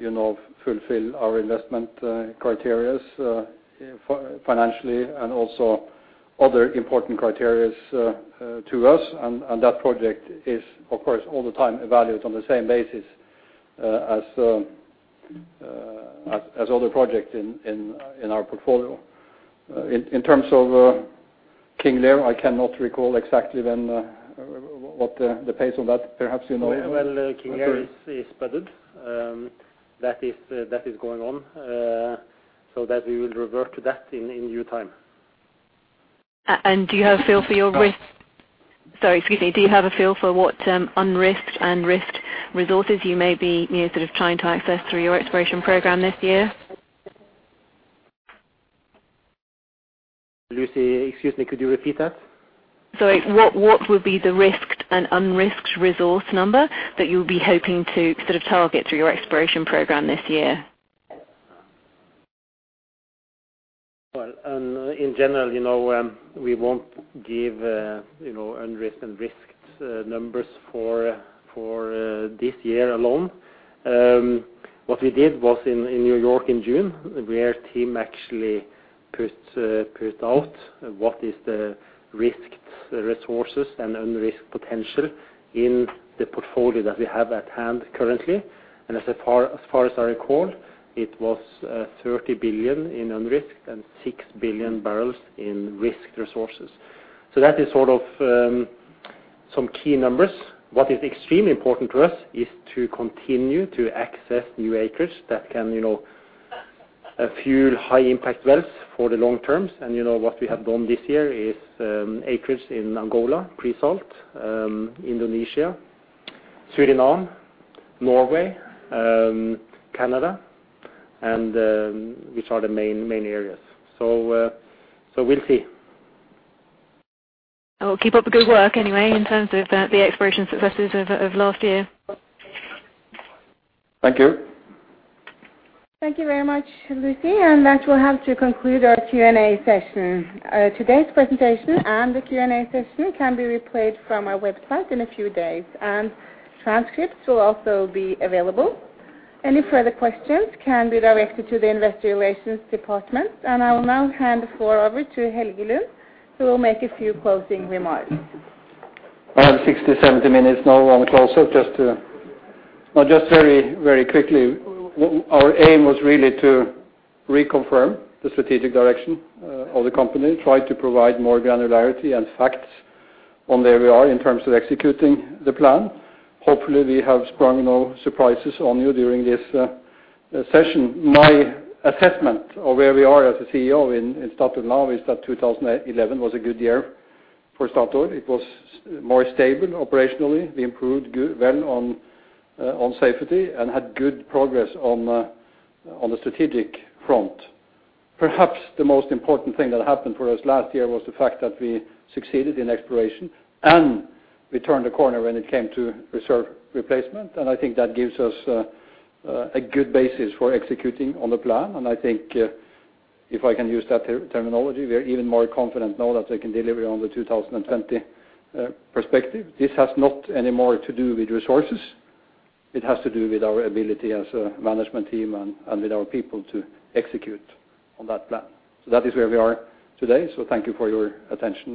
you know fulfill our investment criteria financially and also other important criteria to us. That project is of course all the time evaluated on the same basis as other project in our portfolio. In terms of King Lear, I cannot recall exactly when what the phase of that. Perhaps you know. Well, King Lear is budget. That is going on. So that we will revert to that in due time. Do you have a feel for what unrisked and risked resources you may be, you know, sort of trying to access through your exploration program this year? Lucy, excuse me. Could you repeat that? Sorry. What would be the risked and unrisked resource number that you'll be hoping to sort of target through your exploration program this year? Well, in general, you know, we won't give, you know, unrisked and risked, numbers for this year alone. What we did was in New York in June, where our team actually put out what is the risked resources and unrisked potential in the portfolio that we have at hand currently. As far as I recall, it was 30 billion in unrisked and 6 billion barrels in risked resources. That is sort of some key numbers. What is extremely important to us is to continue to access new acreage that can, you know, a few high-impact wells for the long term. You know, what we have done this year is acreage in Angola, pre-salt, Indonesia, Suriname, Norway, Canada, and which are the main areas. We'll see. Well, keep up the good work anyway in terms of the exploration successes of last year. Thank you. Thank you very much, Lucy. That will have to conclude our Q&A session. Today's presentation and the Q&A session can be replayed from our website in a few days, and transcripts will also be available. Any further questions can be directed to the investor relations department. I will now hand the floor over to Helge Lund, who will make a few closing remarks. I have 60-70 minutes now. I'm closer just to well, just very, very quickly. Our aim was really to reconfirm the strategic direction of the company, try to provide more granularity and facts on where we are in terms of executing the plan. Hopefully, we have sprung no surprises on you during this session. My assessment of where we are as a CEO in Statoil now is that 2011 was a good year for Statoil. It was more stable operationally. We improved well on safety and had good progress on the strategic front. Perhaps the most important thing that happened for us last year was the fact that we succeeded in exploration, and we turned a corner when it came to reserve replacement. I think that gives us a good basis for executing on the plan. I think if I can use that terminology, we are even more confident now that we can deliver on the 2020 perspective. This has not any more to do with resources. It has to do with our ability as a management team and with our people to execute on that plan. That is where we are today. Thank you for your attention